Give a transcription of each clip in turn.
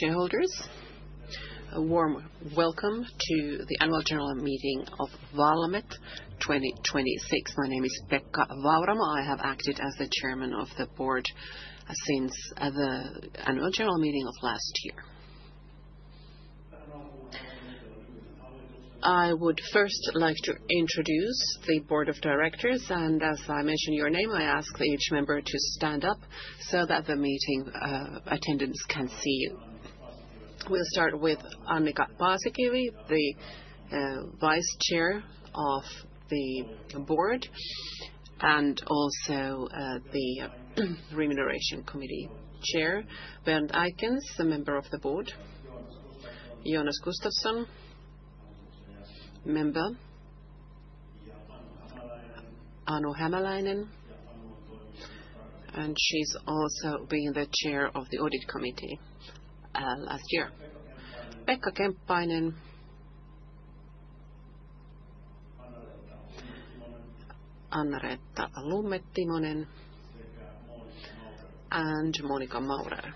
Shareholders, a warm welcome to the annual general meeting of Valmet 2026. My name is Pekka Vauramo. I have acted as the Chairman of the Board since the annual general meeting of last year. I would first like to introduce the Board of Directors, and as I mention your name, I ask each member to stand up so that the meeting attendants can see you. We'll start with Annika Paasikivi, the Vice Chair of the Board and also the Remuneration Committee Chair. Bernd Eikens, a Member of the Board. Jonas Gustavsson, Member. Anu Hämäläinen. She's also been the Chair of the Audit Committee last year. Pekka Kemppainen. Annareetta Lumme-Timonen. Monika Maurer.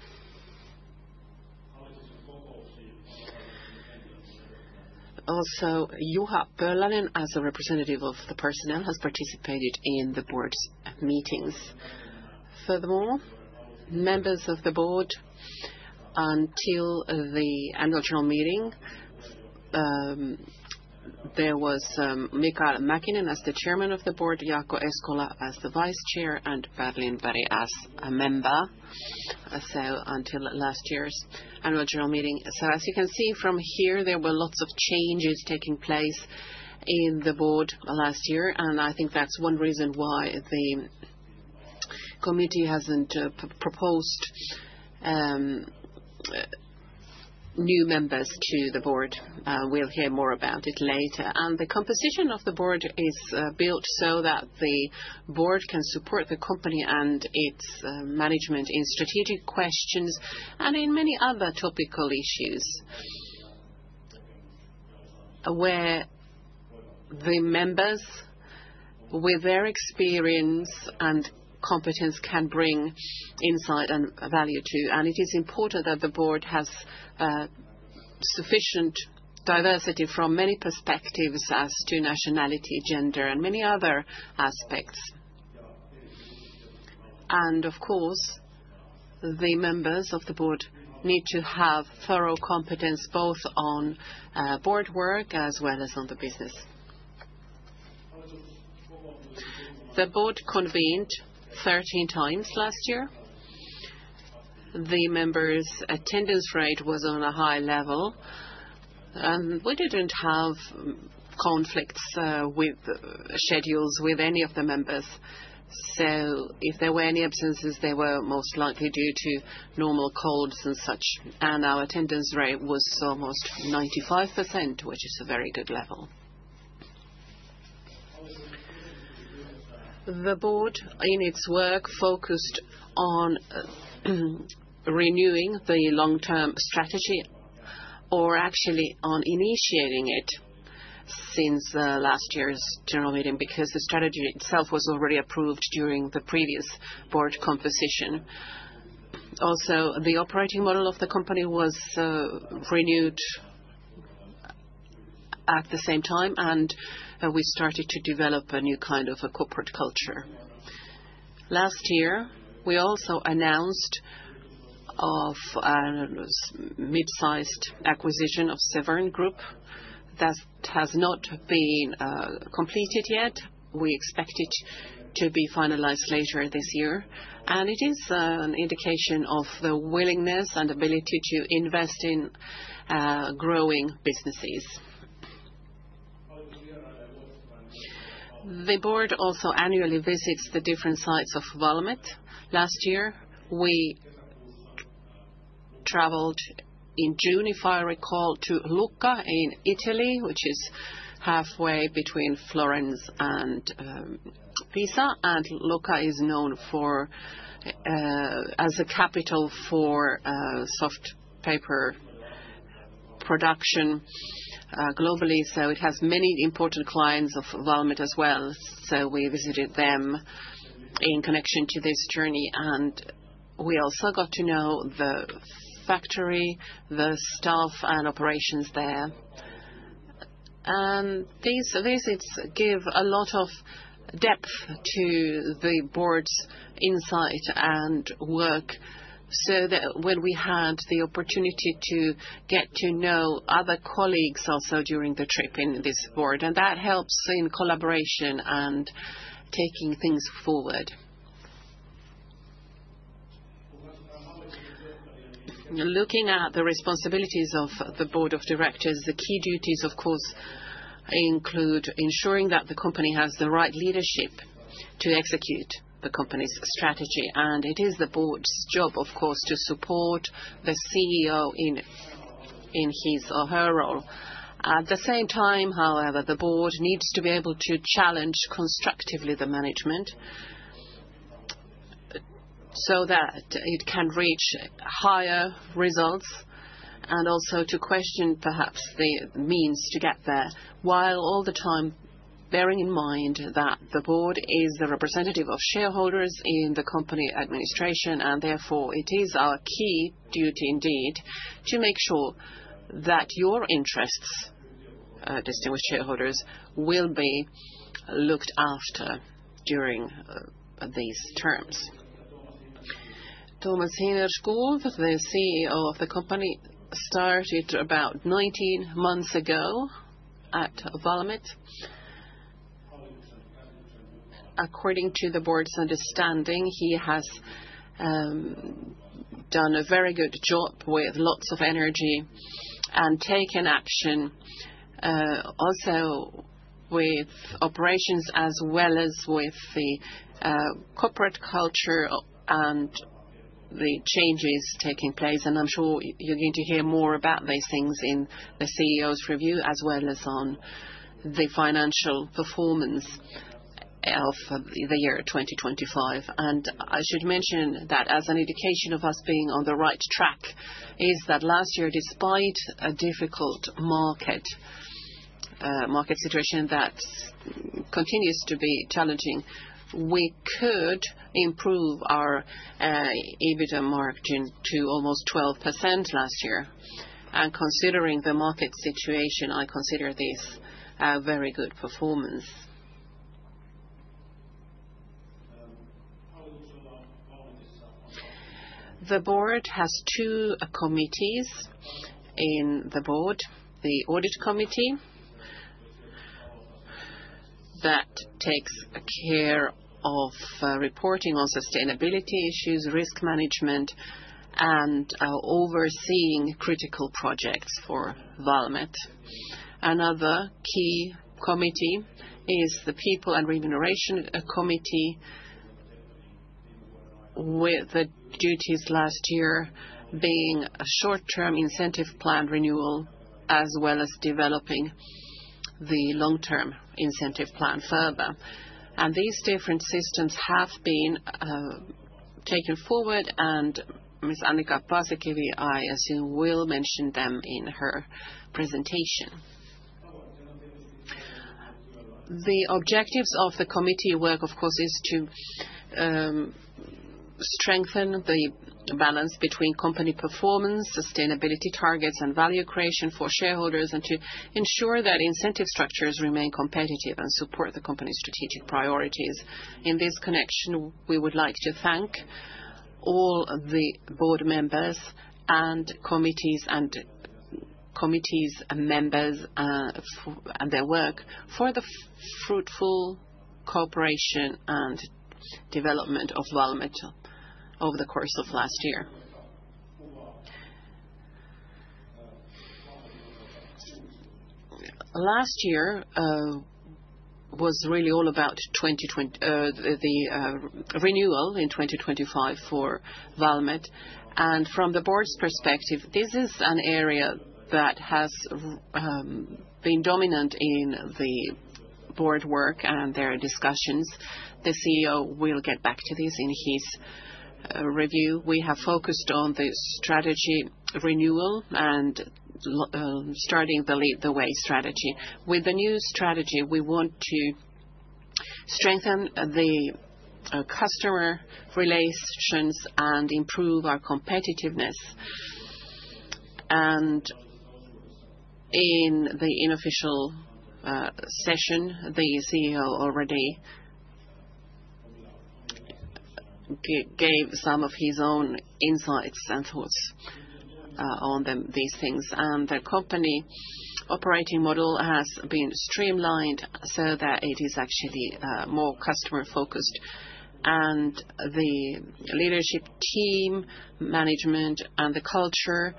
Juha Pölönen, as a representative of the personnel, has participated in the board's meetings. Furthermore, members of the board until the annual general meeting, there was Mikael Mäkinen as the Chairman of the Board, Jaakko Eskola as the Vice Chair, and Per Lindberg as a member, so until last year's annual general meeting. As you can see from here, there were lots of changes taking place in the board last year, and I think that's one reason why the committee hasn't proposed new members to the board. We'll hear more about it later. The composition of the board is built so that the board can support the company and its management in strategic questions and in many other topical issues where the members, with their experience and competence, can bring insight and value, too. It is important that the board has sufficient diversity from many perspectives as to nationality, gender, and many other aspects. Of course, the members of the board need to have thorough competence both on board work as well as on the business. The board convened 13 times last year. The members' attendance rate was on a high level. We didn't have conflicts with schedules with any of the members. If there were any absences, they were most likely due to normal colds and such, and our attendance rate was almost 95%, which is a very good level. The board, in its work, focused on renewing the long-term strategy or actually on initiating it since last year's general meeting because the strategy itself was already approved during the previous board composition. The operating model of the company was renewed at the same time, and we started to develop a new kind of a corporate culture. Last year, we also announced a mid-sized acquisition of Severn Group. That has not been completed yet. We expect it to be finalized later this year, and it is an indication of the willingness and ability to invest in growing businesses. The board also annually visits the different sites of Valmet. Last year, we traveled in June, if I recall, to Lucca in Italy, which is halfway between Florence and Pisa. Lucca is known as a capital for soft paper production globally, so it has many important clients of Valmet as well. We visited them in connection to this journey, and we also got to know the factory, the staff, and operations there. These visits give a lot of depth to the board's insight and work so that when we had the opportunity to get to know other colleagues also during the trip in this board, and that helps in collaboration and taking things forward. Looking at the responsibilities of the board of directors, the key duties, of course, include ensuring that the company has the right leadership to execute the company's strategy. It is the board's job, of course, to support the CEO in his or her role. At the same time, however, the board needs to be able to challenge constructively the management so that it can reach higher results and also to question perhaps the means to get there, while all the time bearing in mind that the board is the representative of shareholders in the company administration, and therefore it is our key duty indeed, to make sure that your interests, distinguished shareholders, will be looked after during these terms. Thomas Hinnerskov, the CEO of the company, started about 19 months ago at Valmet. According to the board's understanding, he has done a very good job with lots of energy and taken action also with operations as well as with the corporate culture and the changes taking place. I'm sure you're going to hear more about these things in the CEO's review as well as on the financial performance of the year 2025. I should mention that as an indication of us being on the right track, is that last year, despite a difficult market situation that's continues to be challenging, we could improve our EBITDA margin to almost 12% last year. Considering the market situation, I consider this a very good performance. The board has two committees in the board, the audit committee that takes care of reporting on sustainability issues, risk management, and overseeing critical projects for Valmet. Another key committee is the people and remuneration committee with the duties last year being a short-term incentive plan renewal, as well as developing the long-term incentive plan further. These different systems have been taken forward. Ms. Annika Paasikivi, I assume, will mention them in her presentation. The objectives of the committee work, of course, is to strengthen the balance between company performance, sustainability targets, and value creation for shareholders, and to ensure that incentive structures remain competitive and support the company's strategic priorities. In this connection, we would like to thank all the board members and committees and committee members and their work for the fruitful cooperation and development of Valmet over the course of last year. Last year was really all about the renewal in 2025 for Valmet. From the board's perspective, this is an area that has been dominant in the board work and their discussions. The CEO will get back to this in his review. We have focused on the strategy renewal and starting the Lead the Way strategy. With the new strategy, we want to strengthen the customer relations and improve our competitiveness. In the unofficial session, the CEO already gave some of his own insights and thoughts on them, these things. The company operating model has been streamlined so that it is actually more customer-focused. The leadership team, management, and the culture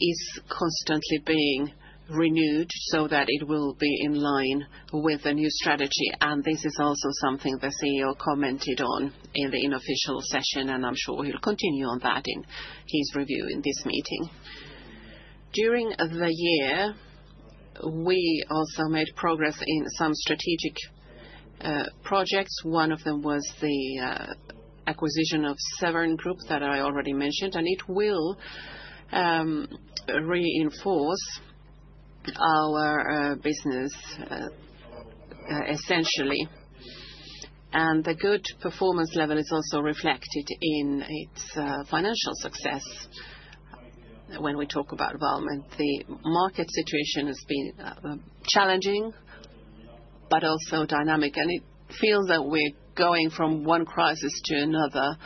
is constantly being renewed so that it will be in line with the new strategy. This is also something the CEO commented on in the unofficial session, and I'm sure he'll continue on that in his review in this meeting. During the year, we also made progress in some strategic projects. One of them was the acquisition of Severn Group that I already mentioned, and it will reinforce our business essentially. The good performance level is also reflected in its financial success when we talk about Valmet. The market situation has been challenging but also dynamic, and it feels that we're going from one crisis to another.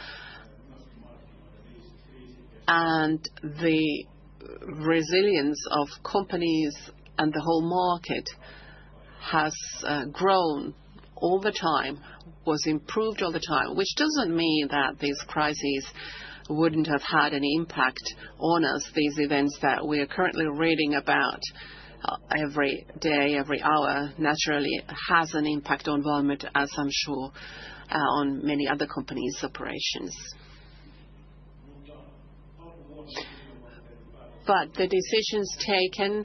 The resilience of companies and the whole market has improved over time, which doesn't mean that these crises wouldn't have had an impact on us. These events that we are currently reading about every day, every hour, naturally has an impact on Valmet, as I'm sure on many other companies' operations. The decisions taken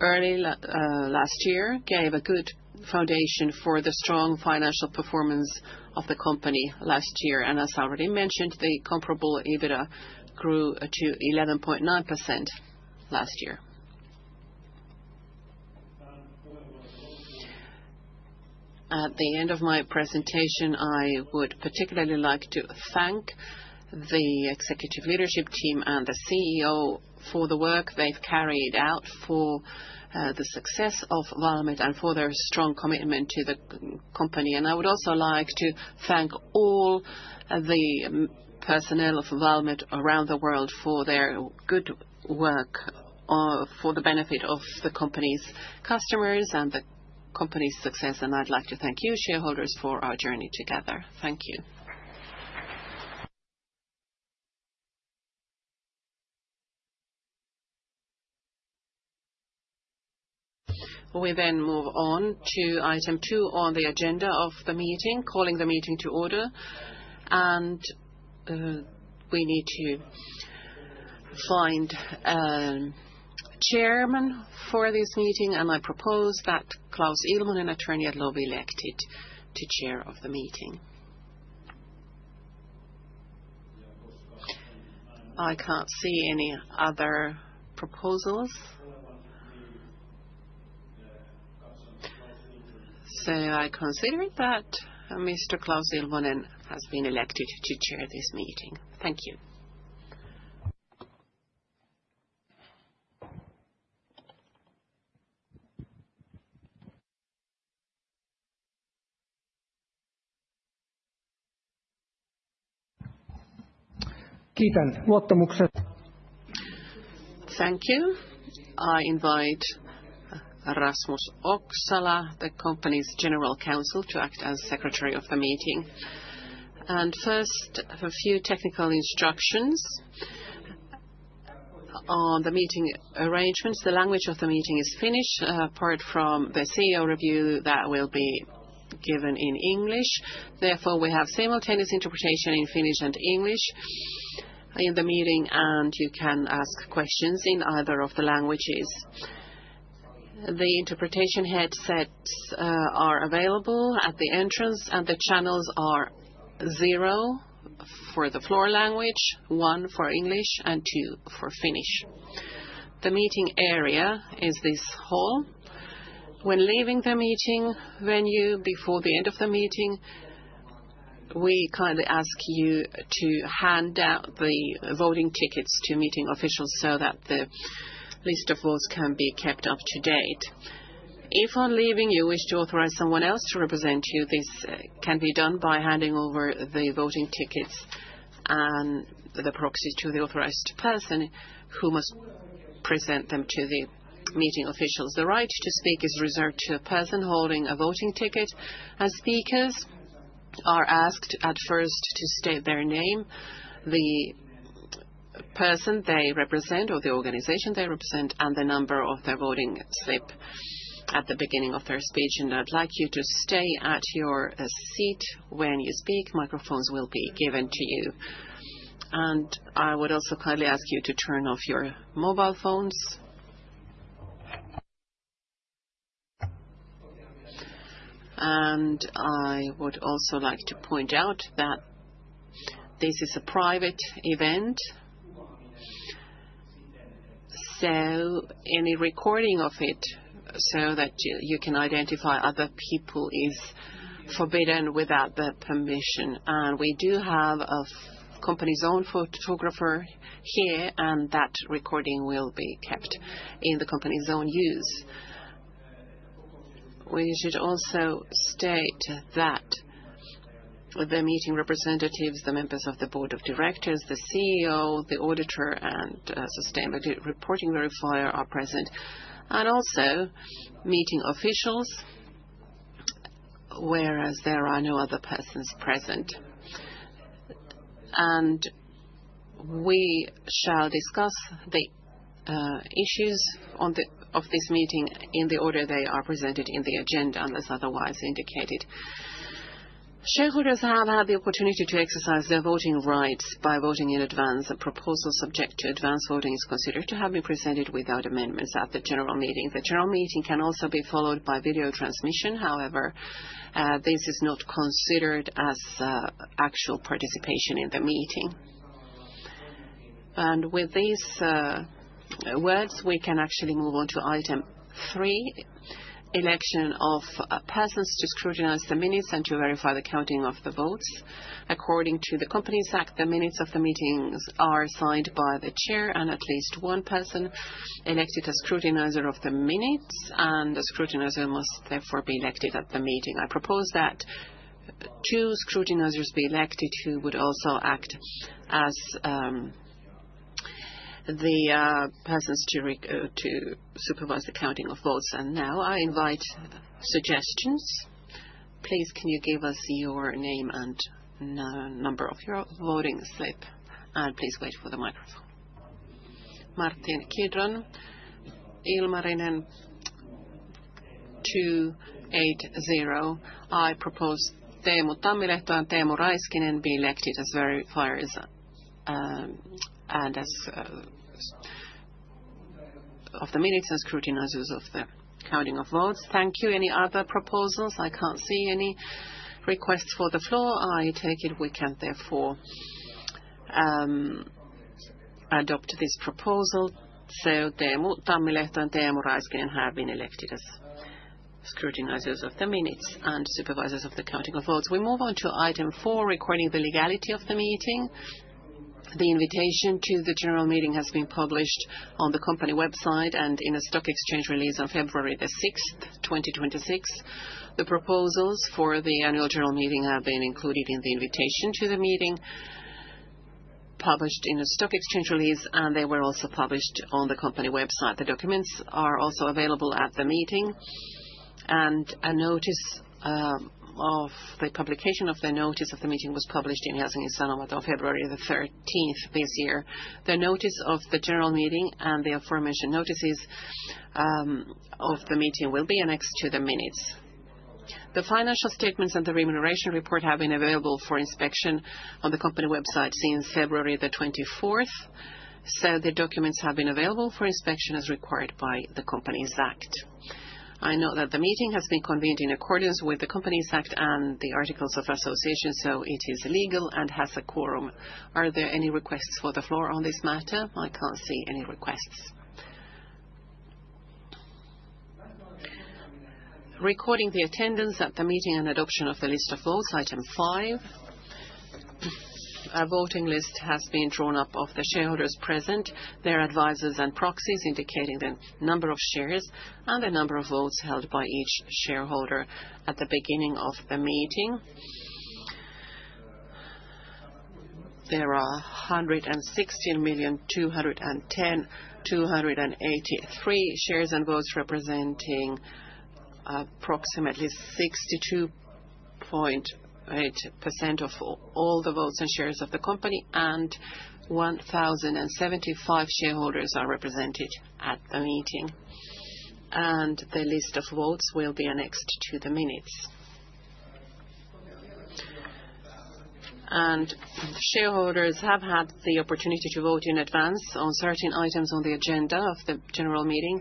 early last year gave a good foundation for the strong financial performance of the company last year. As I already mentioned, the comparable EBITDA grew to 11.9% last year. At the end of my presentation, I would particularly like to thank the executive leadership team and the CEO for the work they've carried out for the success of Valmet and for their strong commitment to the company. I would also like to thank all the personnel of Valmet around the world for their good work for the benefit of the company's customers and the company's success. I'd like to thank you, shareholders, for our journey together. Thank you. We move on to item two on the agenda of the meeting, calling the meeting to order. We need to find a chairman for this meeting, and I propose that Klaus Ilmanen, an attorney at law, be elected to Chair of the Meeting. I can't see any other proposals. I consider that Mr. Klaus Ilmanen has been elected to chair this meeting. Thank you. I invite Rasmus Oksala, the company's General Counsel, to act as Secretary of the meeting. First, a few technical instructions on the meeting arrangements. The language of the meeting is Finnish, apart from the CEO review that will be given in English. Therefore, we have simultaneous interpretation in Finnish and English in the meeting, and you can ask questions in either of the languages. The interpretation headsets are available at the entrance and the channels are 0 for the floor language, 1 for English, and 2 for Finnish. The meeting area is this hall. When leaving the meeting venue before the end of the meeting, we kindly ask you to hand out the voting tickets to meeting officials so that the list of votes can be kept up to date. If on leaving, you wish to authorize someone else to represent you, this can be done by handing over the voting tickets and the proxy to the authorized person who must present them to the meeting officials. The right to speak is reserved to a person holding a voting ticket, as speakers are asked at first to state their name, the person they represent or the organization they represent, and the number of their voting slip at the beginning of their speech. I'd like you to stay at your seat when you speak. Microphones will be given to you. I would also kindly ask you to turn off your mobile phones. I would also like to point out that this is a private event so any recording of it so that you can identify other people is forbidden without their permission. We do have a company's own photographer here, and that recording will be kept in the company's own use. We should also state that the meeting representatives, the members of the board of directors, the CEO, the auditor, and sustainability reporting verifier are present, and also meeting officials, whereas there are no other persons present. We shall discuss the issues of this meeting in the order they are presented in the agenda unless otherwise indicated. Shareholders have had the opportunity to exercise their voting rights by voting in advance. A proposal subject to advance voting is considered to have been presented without amendments at the general meeting. The general meeting can also be followed by video transmission. However, this is not considered as actual participation in the meeting. With these words, we can actually move on to item three, election of persons to scrutinize the minutes and to verify the counting of the votes. According to the Finnish Companies Act, the minutes of the meetings are signed by the Chair and at least one person elected a scrutinizer of the minutes, and the scrutinizer must therefore be elected at the meeting. I propose that two scrutinizers be elected who would also act as the persons to supervise the counting of votes. Now I invite suggestions. Please, can you give us your name and number of your voting slip, and please wait for the microphone. Martin Kidron, Ilmarinen 280. I propose Teemu Tammilehto and Teemu Raiskinen be elected as verifiers of the minutes and scrutinizers of the counting of votes. Thank you. Any other proposals? I can't see any requests for the floor. I take it we can therefore adopt this proposal. Teemu Tammilehto and Teemu Raiskinen have been elected as scrutinizers of the minutes and supervisors of the counting of votes. We move on to item four, recording the legality of the meeting. The invitation to the general meeting has been published on the company website and in a stock exchange release on February 6, 2026. The proposals for the annual general meeting have been included in the invitation to the meeting, published in a stock exchange release, and they were also published on the company website. The documents are also available at the meeting, and a notice of the publication of the notice of the meeting was published in Helsingin Sanomat of February 13 this year. The notice of the general meeting and the aforementioned notices, of the meeting will be annexed to the minutes. The financial statements and the remuneration report have been available for inspection on the company website since February 24. The documents have been available for inspection as required by the Companies Act. I know that the meeting has been convened in accordance with the Companies Act and the articles of association, so it is legal and has a quorum. Are there any requests for the floor on this matter? I can't see any requests. Recording the attendance at the meeting and adoption of the list of votes, item 5. A voting list has been drawn up of the shareholders present, their advisors and proxies, indicating the number of shares and the number of votes held by each shareholder at the beginning of the meeting. There are 116,210,283 shares and votes, representing approximately 62.8% of all the votes and shares of the company, and 1,075 shareholders are represented at the meeting. The list of votes will be annexed to the minutes. Shareholders have had the opportunity to vote in advance on certain items on the agenda of the general meeting,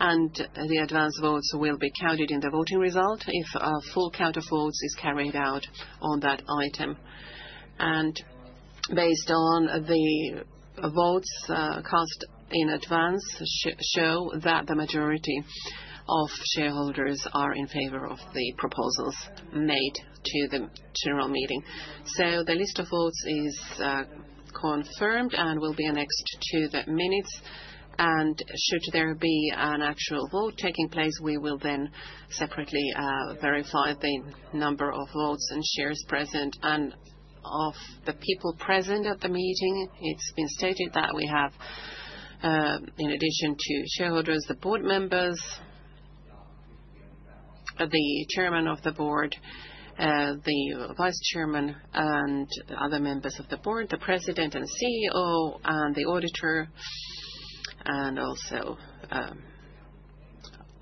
and the advance votes will be counted in the voting result if a full count of votes is carried out on that item. Based on the votes cast in advance, they show that the majority of shareholders are in favor of the proposals made to the general meeting. The list of votes is confirmed and will be annexed to the minutes. Should there be an actual vote taking place, we will then separately verify the number of votes and shares present and of the people present at the meeting. It's been stated that we have, in addition to shareholders, the board members, the Chairman of the Board, the Vice Chairman and other members of the board, the President and CEO and the auditor and also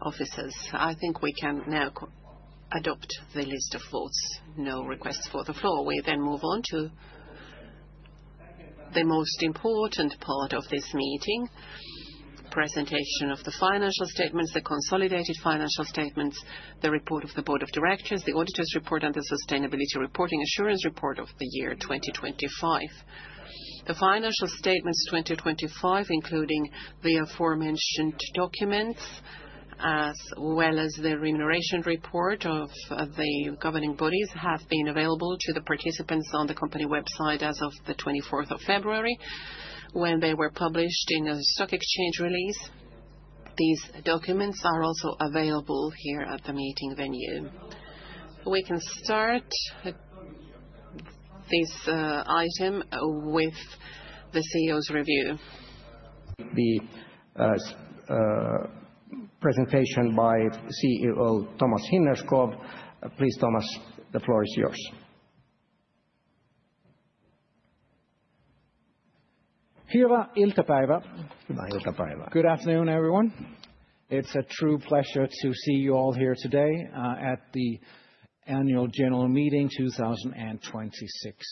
officers. I think we can now adopt the list of votes. No requests for the floor. We then move on to the most important part of this meeting, presentation of the financial statements, the consolidated financial statements, the report of the board of directors, the auditor's report, and the sustainability reporting assurance report of the year 2025. The financial statements 2025, including the aforementioned documents, as well as the remuneration report of the governing bodies, have been available to the participants on the company website as of the 24th of February, when they were published in a stock exchange release. These documents are also available here at the meeting venue. We can start this item with the CEO's review. The presentation by CEO Thomas Hinnerskov. Please, Thomas, the floor is yours. Good afternoon, everyone. It's a true pleasure to see you all here today at the annual general meeting 2026.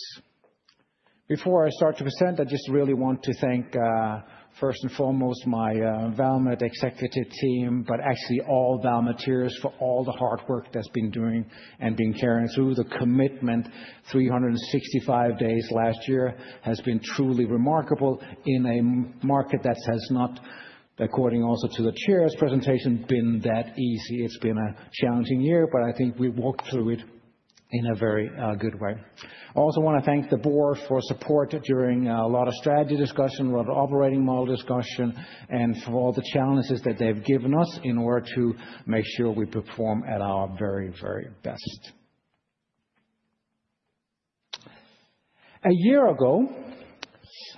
Before I start to present, I just really want to thank first and foremost my Valmet executive team, but actually all Valmeters for all the hard work that's been doing and been carrying through. The commitment 365 days last year has been truly remarkable in a market that has not, according also to the chair's presentation, been that easy. It's been a challenging year, but I think we walked through it in a very good way. I also wanna thank the board for support during a lot of strategy discussion, a lot of operating model discussion, and for all the challenges that they've given us in order to make sure we perform at our very, very best. A year ago,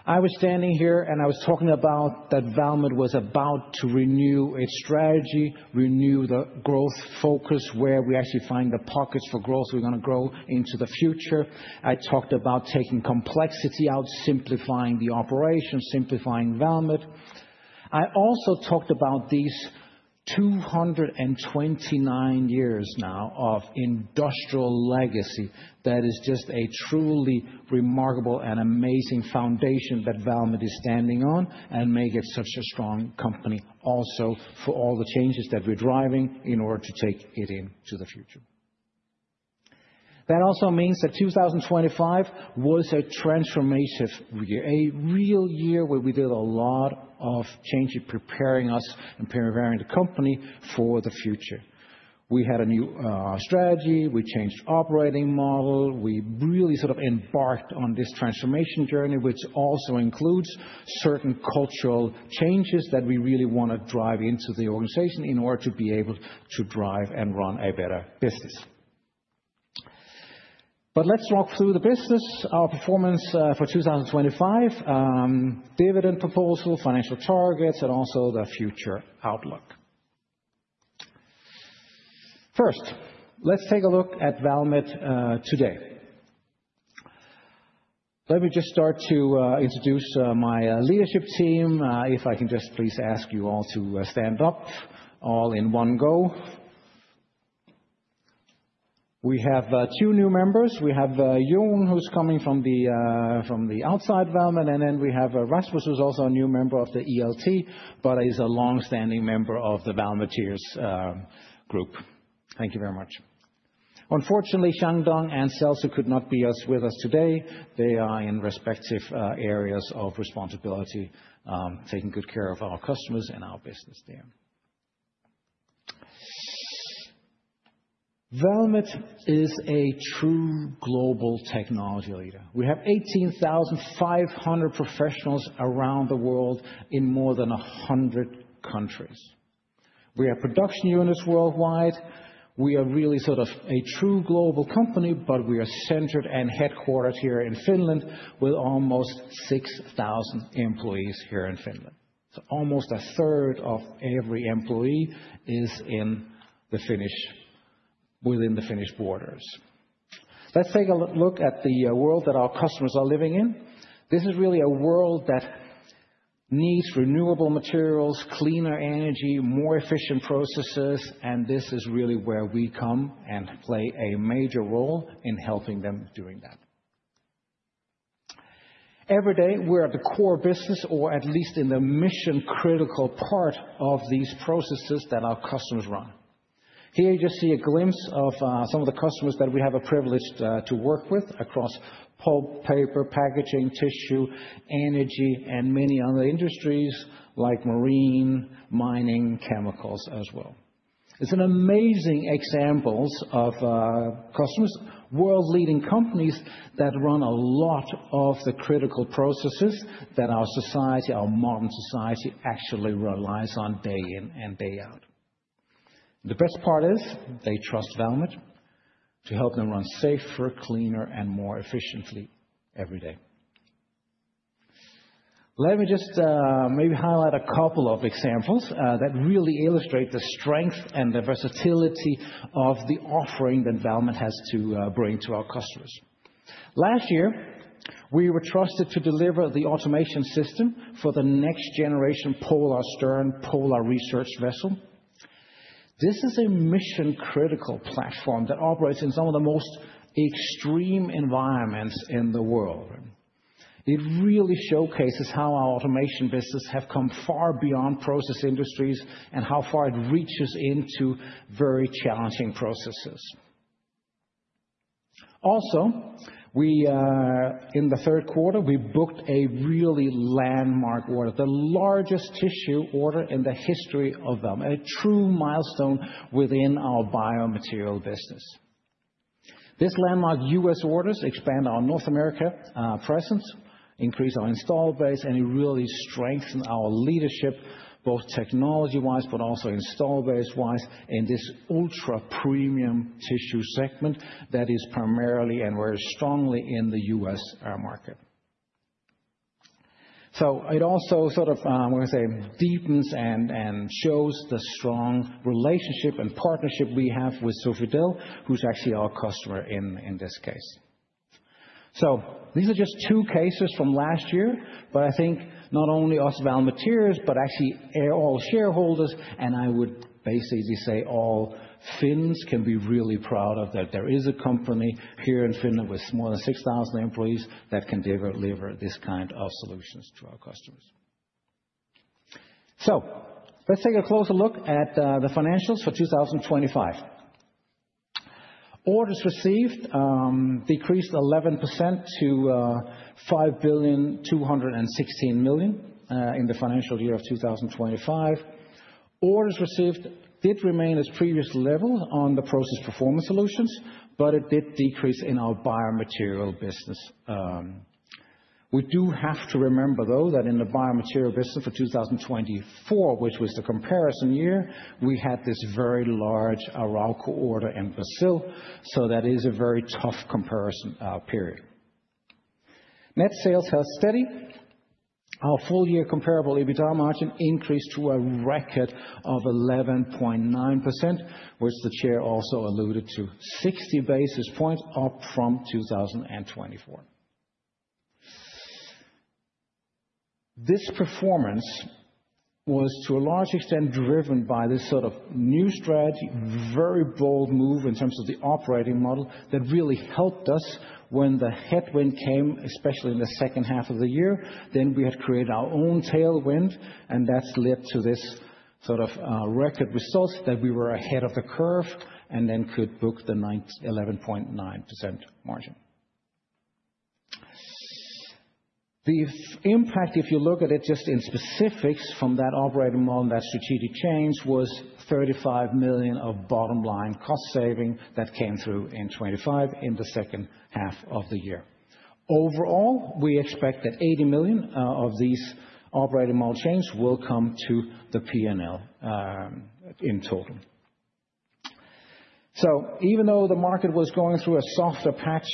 I was standing here, and I was talking about that Valmet was about to renew its strategy, renew the growth focus, where we actually find the pockets for growth we're gonna grow into the future. I talked about taking complexity out, simplifying the operation, simplifying Valmet. I also talked about these 229 years now of industrial legacy that is just a truly remarkable and amazing foundation that Valmet is standing on and make it such a strong company also for all the changes that we're driving in order to take it into the future. That also means that 2025 was a transformative year, a real year where we did a lot of change in preparing us and preparing the company for the future. We had a new strategy. We changed operating model. We really sort of embarked on this transformation journey, which also includes certain cultural changes that we really want to drive into the organization in order to be able to drive and run a better business. Let's walk through the business, our performance, for 2025, dividend proposal, financial targets, and also the future outlook. First, let's take a look at Valmet today. Let me just start to introduce my leadership team. If I can just please ask you all to stand up all in one go. We have two new members. We have Yung, who's coming from the outside Valmet, and then we have Rasmus, who's also a new member of the ELT, but is a long-standing member of the Valmet team group. Thank you very much. Unfortunately, Xiangdong and Celso could not be with us today. They are in respective areas of responsibility, taking good care of our customers and our business there. Valmet is a true global technology leader. We have 18,500 professionals around the world in more than 100 countries. We have production units worldwide. We are really sort of a true global company, but we are centered and headquartered here in Finland with almost 6,000 employees here in Finland. Almost a third of every employee is in the Finnish, within the Finnish borders. Let's take a look at the world that our customers are living in. This is really a world that needs renewable materials, cleaner energy, more efficient processes, and this is really where we come and play a major role in helping them doing that. Every day, we're at the core business or at least in the mission-critical part of these processes that our customers run. Here you just see a glimpse of some of the customers that we have a privilege to work with across pulp, paper, packaging, tissue, energy, and many other industries like marine, mining, chemicals as well. It's an amazing examples of customers, world-leading companies that run a lot of the critical processes that our society, our modern society actually relies on day in and day out. The best part is they trust Valmet to help them run safer, cleaner, and more efficiently every day. Let me just maybe highlight a couple of examples that really illustrate the strength and the versatility of the offering that Valmet has to bring to our customers. Last year, we were trusted to deliver the automation system for the next generation Polarstern polar research vessel. This is a mission-critical platform that operates in some of the most extreme environments in the world. It really showcases how our automation business have come far beyond process industries and how far it reaches into very challenging processes. Also, we in the third quarter, we booked a really landmark order, the largest tissue order in the history of Valmet, a true milestone within our biomaterial business. This landmark U.S. orders expand our North America presence, increase our install base, and it really strengthen our leadership, both technology-wise, but also install base-wise in this ultra-premium tissue segment that is primarily and very strongly in the U.S. market. It also sort of, I want to say, deepens and shows the strong relationship and partnership we have with Sofidel, who's actually our customer in this case. These are just two cases from last year, but I think not only us Valmet peers, but actually all shareholders, and I would basically say all Finns can be really proud of that there is a company here in Finland with more than 6,000 employees that can deliver this kind of solutions to our customers. Let's take a closer look at the financials for 2025. Orders received decreased 11% to 5,216 million in the financial year of 2025. Orders received did remain its previous level on the Process Performance Solutions, but it did decrease in our biomaterial business. We do have to remember though that in the Biomaterial business for 2024, which was the comparison year, we had this very large Arauco order in Brazil. That is a very tough comparison period. Net sales held steady. Our full year comparable EBITA margin increased to a record of 11.9%, which the Chair also alluded to, 60 basis points up from 2024. This performance was to a large extent driven by this sort of new strategy, very bold move in terms of the operating model that really helped us when the headwind came, especially in the second half of the year. We had created our own tailwind, and that's led to this sort of record results that we were ahead of the curve and then could book the 11.9% margin. The impact, if you look at it just in specifics from that operating model and that strategic change, was 35 million of bottom-line cost saving that came through in 2025 in the second half of the year. Overall, we expect that 80 million of these operating model change will come to the PNL in total. Even though the market was going through a softer patch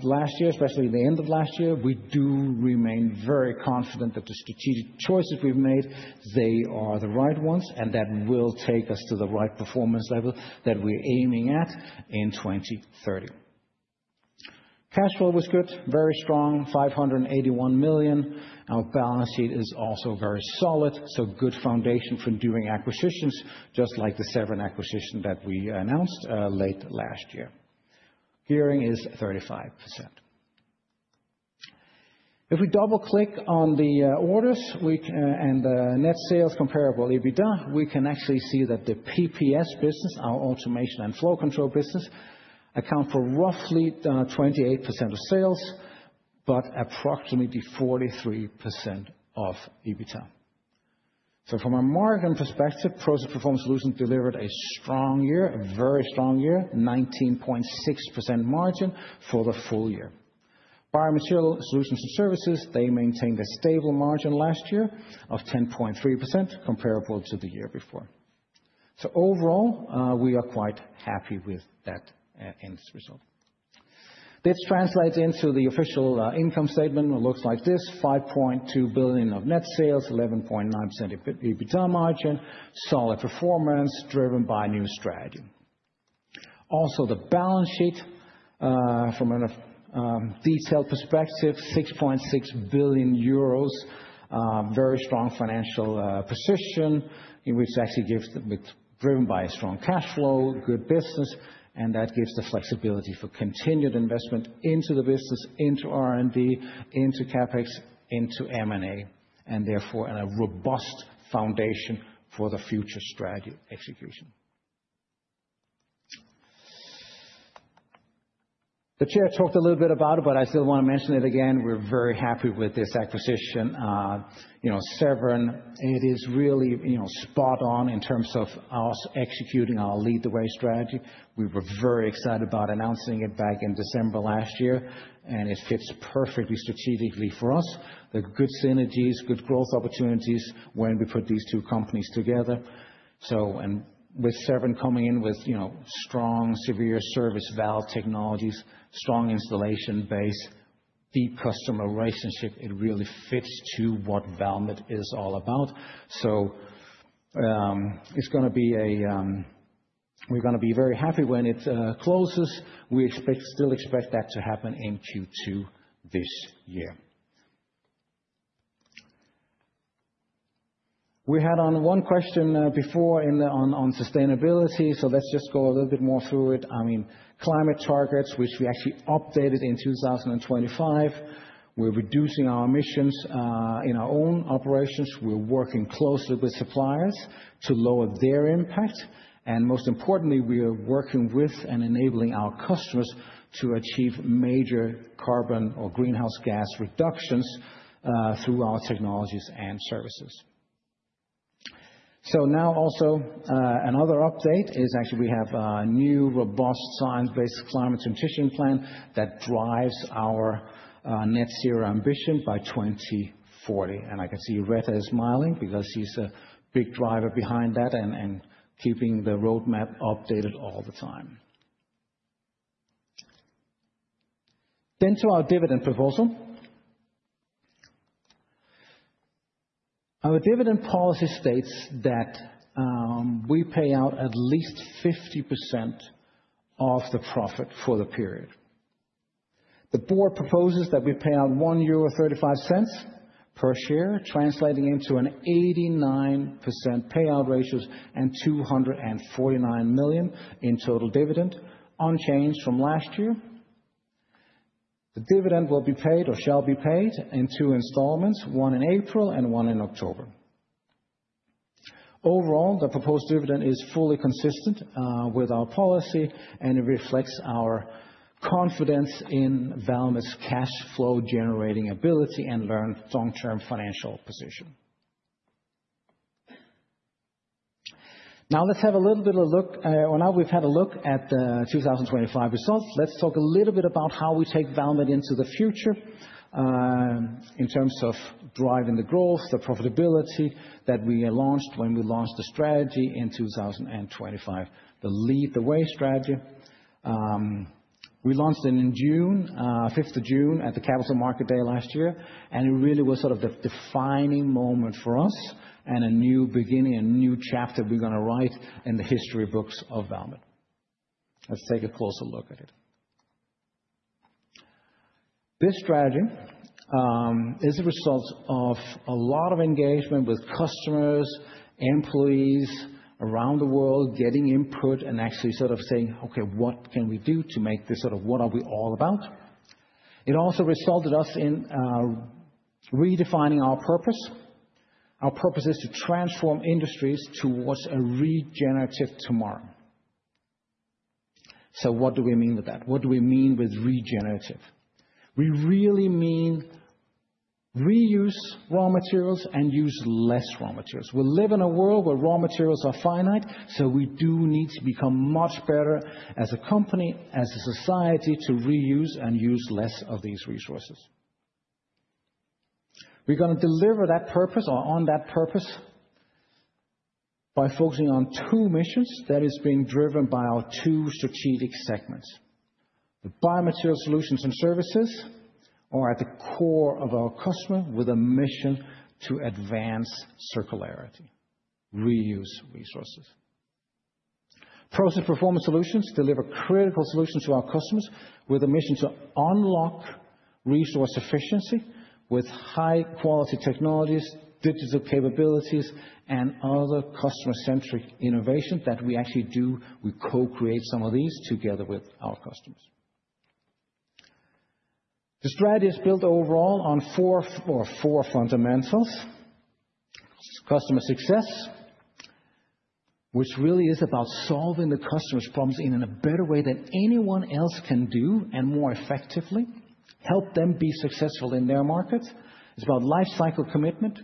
last year, especially the end of last year, we do remain very confident that the strategic choices we've made, they are the right ones, and that will take us to the right performance level that we're aiming at in 2030. Cash flow was good, very strong, 581 million. Our balance sheet is also very solid, so good foundation for doing acquisitions just like the Severn acquisition that we announced late last year. Gearing is 35%. If we double-click on the orders and the net sales comparable EBITDA, we can actually see that the PPS business, our automation and flow control business, account for roughly 28% of sales, but approximately 43% of EBITDA. From a margin perspective, Process Performance Solutions delivered a strong year, a very strong year, 19.6% margin for the full year. Biomaterial Solutions and Services, they maintained a stable margin last year of 10.3% comparable to the year before. Overall, we are quite happy with that end result. This translates into the official income statement. It looks like this, 5.2 billion of net sales, 11.9% EBITDA margin, solid performance driven by new strategy. Also, the balance sheet from a detailed perspective, 6.6 billion euros, very strong financial position. It's driven by a strong cash flow, good business, and that gives the flexibility for continued investment into the business, into R&D, into CapEx, into M&A, and therefore a robust foundation for the future strategy execution. The chair talked a little bit about it, but I still wanna mention it again. We're very happy with this acquisition, you know, Severn. It is really, you know, spot on in terms of us executing our Lead the Way strategy. We were very excited about announcing it back in December last year, and it fits perfectly strategically for us. The good synergies, good growth opportunities when we put these two companies together. With Severn coming in with, you know, strong severe service valve technologies, strong installation base, deep customer relationship, it really fits to what Valmet is all about. We're gonna be very happy when it closes. We still expect that to happen in Q2 this year. We had one question before on sustainability, let's just go a little bit more through it. I mean, climate targets, which we actually updated in 2025. We're reducing our emissions in our own operations. We're working closely with suppliers to lower their impact, and most importantly, we are working with and enabling our customers to achieve major carbon or greenhouse gas reductions through our technologies and services. Now also, another update is actually we have a new robust science-based climate transition plan that drives our net zero ambition by 2040. I can see Retta smiling because she's a big driver behind that and keeping the roadmap updated all the time. To our dividend proposal. Our dividend policy states that we pay out at least 50% of the profit for the period. The board proposes that we pay out 1.35 euro per share, translating into an 89% payout ratios and 249 million in total dividend, unchanged from last year. The dividend will be paid or shall be paid in two installments, one in April and one in October. Overall, the proposed dividend is fully consistent with our policy, and it reflects our confidence in Valmet's cash flow generating ability and strong long-term financial position. Now we've had a look at 2025 results. Let's talk a little bit about how we take Valmet into the future in terms of driving the growth, the profitability that we launched when we launched the strategy in 2025, the Lead the Way strategy. We launched it in June 5 at the Capital Markets Day last year, and it really was sort of the defining moment for us and a new beginning, a new chapter we're gonna write in the history books of Valmet. Let's take a closer look at it. This strategy is a result of a lot of engagement with customers, employees around the world, getting input and actually sort of saying, "Okay, what can we do to make this sort of what are we all about?" It also resulted us in redefining our purpose. Our purpose is to transform industries towards a regenerative tomorrow. What do we mean with that? What do we mean with regenerative? We really mean reuse raw materials and use less raw materials. We live in a world where raw materials are finite, so we do need to become much better as a company, as a society, to reuse and use less of these resources. We're gonna deliver that purpose or on that purpose by focusing on two missions that is being driven by our two strategic segments. The Biomaterial Solutions and Services are at the core of our customers with a mission to advance circularity, reuse resources. Process Performance Solutions deliver critical solutions to our customers with a mission to unlock resource efficiency with high-quality technologies, digital capabilities, and other customer-centric innovation that we actually do. We co-create some of these together with our customers. The strategy is built overall on four fundamentals. Customer success, which really is about solving the customer's problems in a better way than anyone else can do and more effectively to help them be successful in their markets. It's about lifecycle commitment.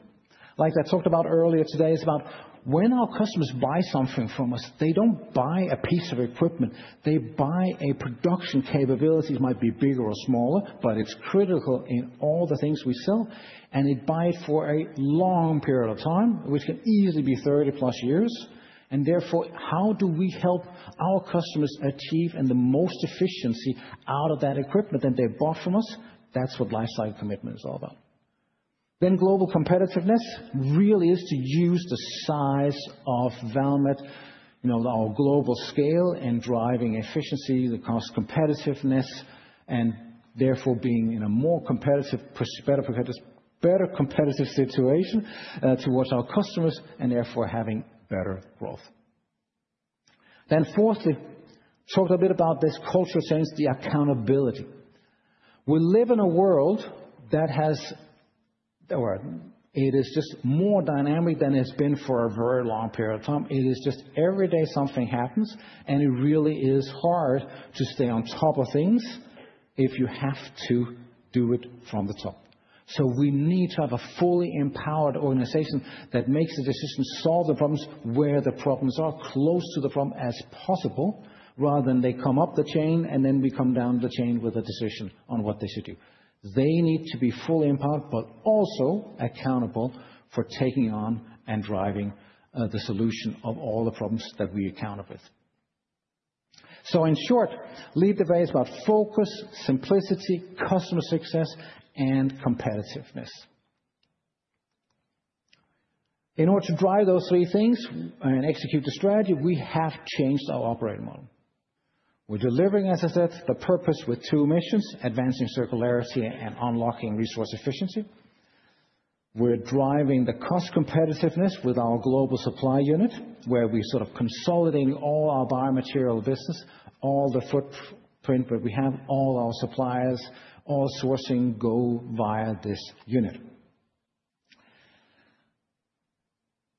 Like I talked about earlier today, it's about when our customers buy something from us, they don't buy a piece of equipment, they buy a production capability. It might be bigger or smaller, but it's critical in all the things we sell, and they buy it for a long period of time, which can easily be 30-plus years. Therefore, how do we help our customers achieve and the most efficiency out of that equipment that they bought from us? That's what lifecycle commitment is all about. Global competitiveness really is to use the size of Valmet, you know, our global scale in driving efficiency, the cost competitiveness, and therefore being in a more competitive, better competitive situation, towards our customers and therefore having better growth. Fourth, I talked a bit about this cultural change, the accountability. It is just more dynamic than it's been for a very long period of time. It is just every day something happens, and it really is hard to stay on top of things if you have to do it from the top. We need to have a fully empowered organization that makes the decisions, solve the problems where the problems are close to the problem as possible, rather than they come up the chain, and then we come down the chain with a decision on what they should do. They need to be fully empowered, but also accountable for taking on and driving the solution of all the problems that we encounter with. In short, Lead the Way is about focus, simplicity, customer success, and competitiveness. In order to drive those three things and execute the strategy, we have changed our operating model. We're delivering, as I said, the purpose with two missions, advancing circularity and unlocking resource efficiency. We're driving the cost competitiveness with our global supply unit, where we're sort of consolidating all our biomaterial business, all the footprint where we have all our suppliers, all sourcing go via this unit.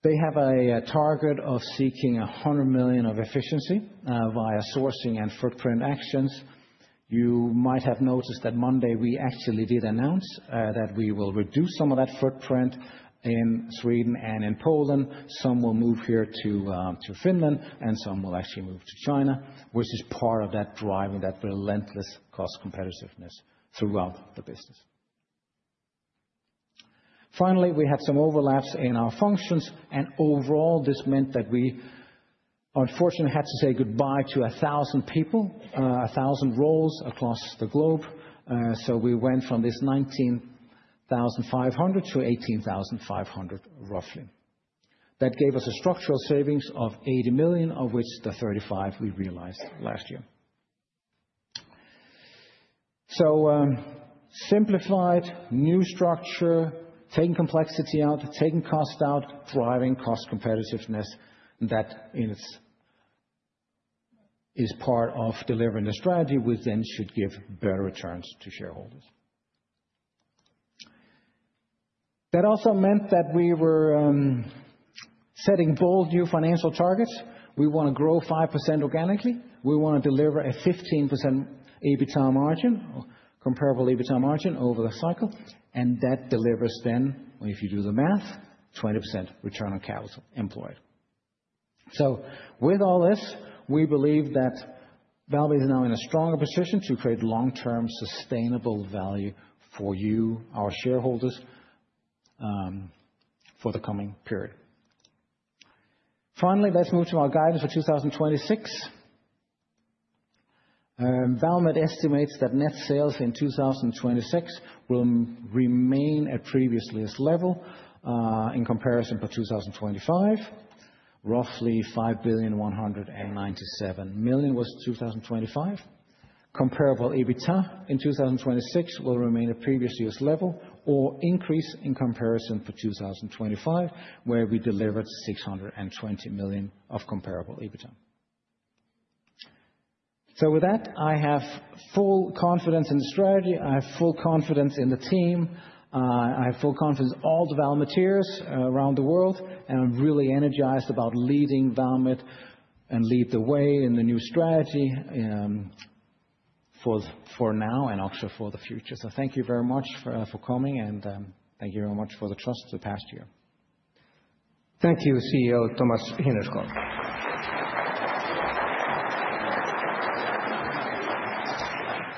They have a target of seeking 100 million of efficiency via sourcing and footprint actions. You might have noticed that Monday we actually did announce that we will reduce some of that footprint in Sweden and in Poland. Some will move here to Finland, and some will actually move to China, which is part of that driving that relentless cost competitiveness throughout the business. Finally, we have some overlaps in our functions, and overall, this meant that we unfortunately had to say goodbye to a thousand people, a thousand roles across the globe. We went from this 19,500 to 18,500 roughly. That gave us a structural savings of 80 million, of which the 35 million we realized last year. Simplified, new structure, taking complexity out, taking cost out, driving cost competitiveness, that is part of delivering the strategy, which then should give better returns to shareholders. That also meant that we were setting bold new financial targets. We wanna grow 5% organically. We wanna deliver a 15% EBITDA margin, comparable EBITDA margin over the cycle, and that delivers then, if you do the math, 20% return on capital employed. With all this, we believe that Valmet is now in a stronger position to create long-term sustainable value for you, our shareholders, for the coming period. Finally, let's move to our guidance for 2026. Valmet estimates that net sales in 2026 will remain at previous year's level, in comparison for 2025. Roughly 5,197 million for 2025. Comparable EBITDA in 2026 will remain at previous year's level or increase in comparison for 2025, where we delivered 620 million of comparable EBITDA. With that, I have full confidence in the strategy, I have full confidence in the team, I have full confidence all the Valmet peers around the world, and I'm really energized about leading Valmet and Lead the Way in the new strategy, for now and also for the future. Thank you very much for coming, and thank you very much for the trust of the past year. Thank you, CEO Thomas Hinnerskov.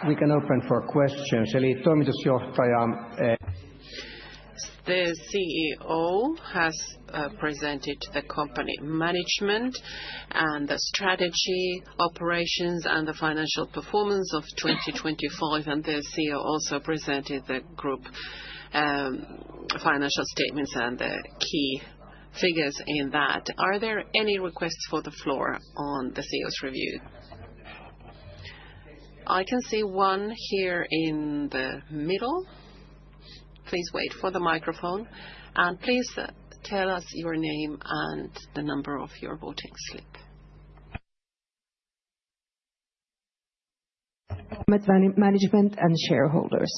We can open for questions. The CEO has presented the company management and the strategy, operations, and the financial performance of 2025, and the CEO also presented the group financial statements and the key figures in that. Are there any requests for the floor on the CEO's review? I can see one here in the middle. Please wait for the microphone, and please tell us your name and the number of your voting slip. Management and shareholders.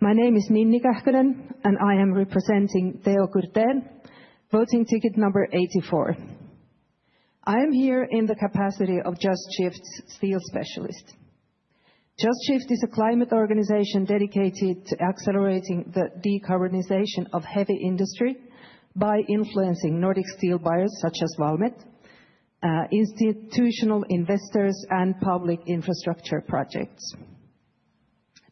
My name is Ninni Kähkönen, and I am representing Teo Kurtén, voting ticket number 84. I am here in the capacity of Just Shift's steel specialist. Just Shift is a climate organization dedicated to accelerating the decarbonization of heavy industry by influencing Nordic steel buyers such as Valmet, institutional investors and public infrastructure projects.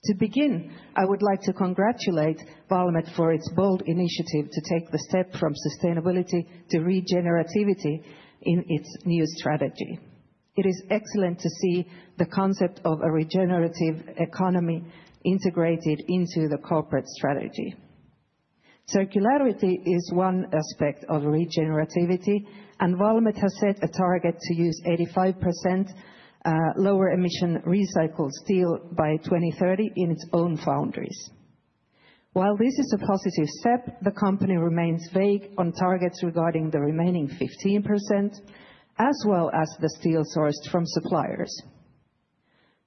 To begin, I would like to congratulate Valmet for its bold initiative to take the step from sustainability to regenerativity in its new strategy. It is excellent to see the concept of a regenerative economy integrated into the corporate strategy. Circularity is one aspect of regenerativity, and Valmet has set a target to use 85% lower emission recycled steel by 2030 in its own foundries. While this is a positive step, the company remains vague on targets regarding the remaining 15% as well as the steel sourced from suppliers.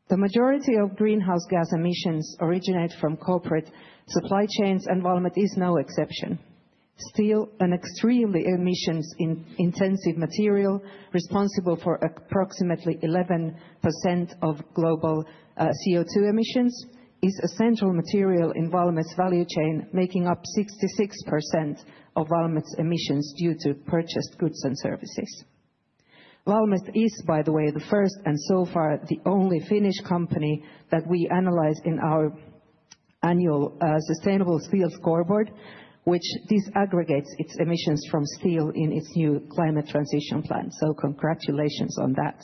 The majority of greenhouse gas emissions originate from corporate supply chains, and Valmet is no exception. Steel, an extremely emissions-intensive material responsible for approximately 11% of global CO2 emissions, is a central material in Valmet's value chain, making up 66% of Valmet's emissions due to purchased goods and services. Valmet is, by the way, the first and so far the only Finnish company that we analyze in our annual sustainable steel scoreboard, which disaggregates its emissions from steel in its new climate transition plan. Congratulations on that.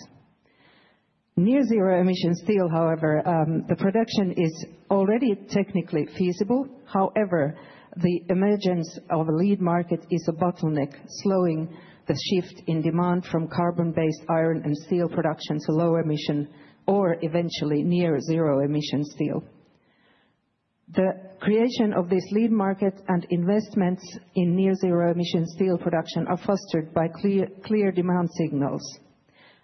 Near-zero-emission steel, however, the production is already technically feasible. However, the emergence of a lead market is a bottleneck, slowing the shift in demand from carbon-based iron and steel production to low emission or eventually near zero emission steel. The creation of this lead market and investments in near zero emission steel production are fostered by clear demand signals,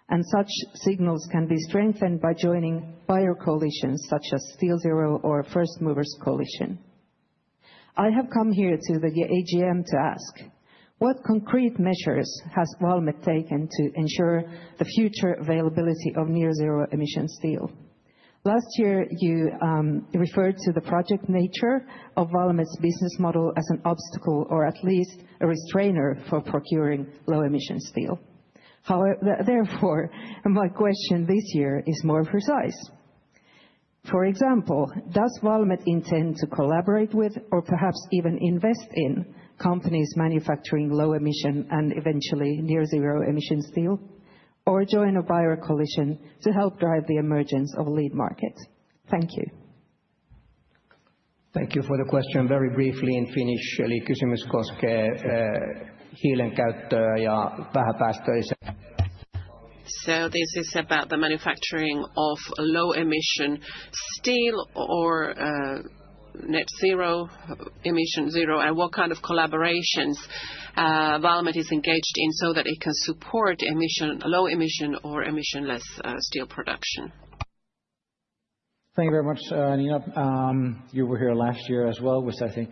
and such signals can be strengthened by joining buyer coalitions such as SteelZero or First Movers Coalition. I have come here to the AGM to ask, what concrete measures has Valmet taken to ensure the future availability of near zero emission steel? Last year, you referred to the project nature of Valmet's business model as an obstacle or at least a restrainer for procuring low emission steel. Therefore, my question this year is more precise. For example, does Valmet intend to collaborate with or perhaps even invest in companies manufacturing low emission and eventually near zero emission steel, or join a buyer coalition to help drive the emergence of lead market? Thank you. Thank you for the question. Very briefly in Finnish. This is about the manufacturing of low emission steel or net zero emission, and what kind of collaborations Valmet is engaged in so that it can support low emission or emissionless steel production. Thank you very much, Ninni. You were here last year as well, which I think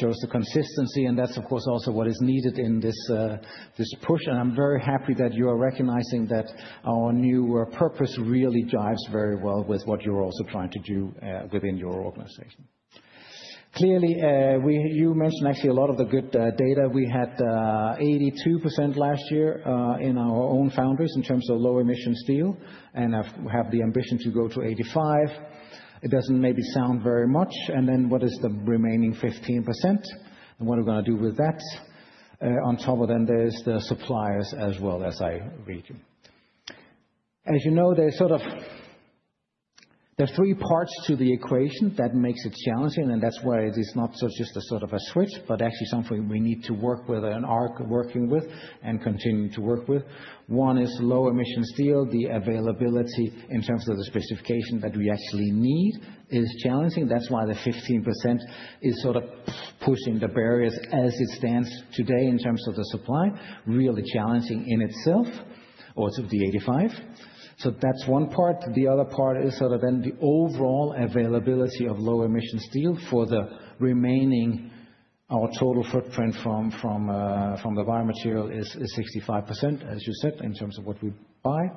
shows the consistency, and that's of course also what is needed in this push. I'm very happy that you are recognizing that our new purpose really jives very well with what you're also trying to do within your organization. Clearly, you mentioned actually a lot of the good data. We had 82% last year in our own foundries in terms of low emission steel and have the ambition to go to 85. It doesn't maybe sound very much, and then what is the remaining 15%, and what are we gonna do with that? On top of then there is the suppliers as well as I read you. As you know, there are sort of There are three parts to the equation that makes it challenging, and that's why it is not so just a sort of a switch but actually something we need to work with and are working with and continuing to work with. One is low emission steel. The availability in terms of the specification that we actually need is challenging. That's why the 15% is sort of pushing the barriers as it stands today in terms of the supply, really challenging in itself, also the 85. That's one part. The other part is sort of then the overall availability of low emission steel for the remaining. Our total footprint from the raw material is 65%, as you said, in terms of what we buy.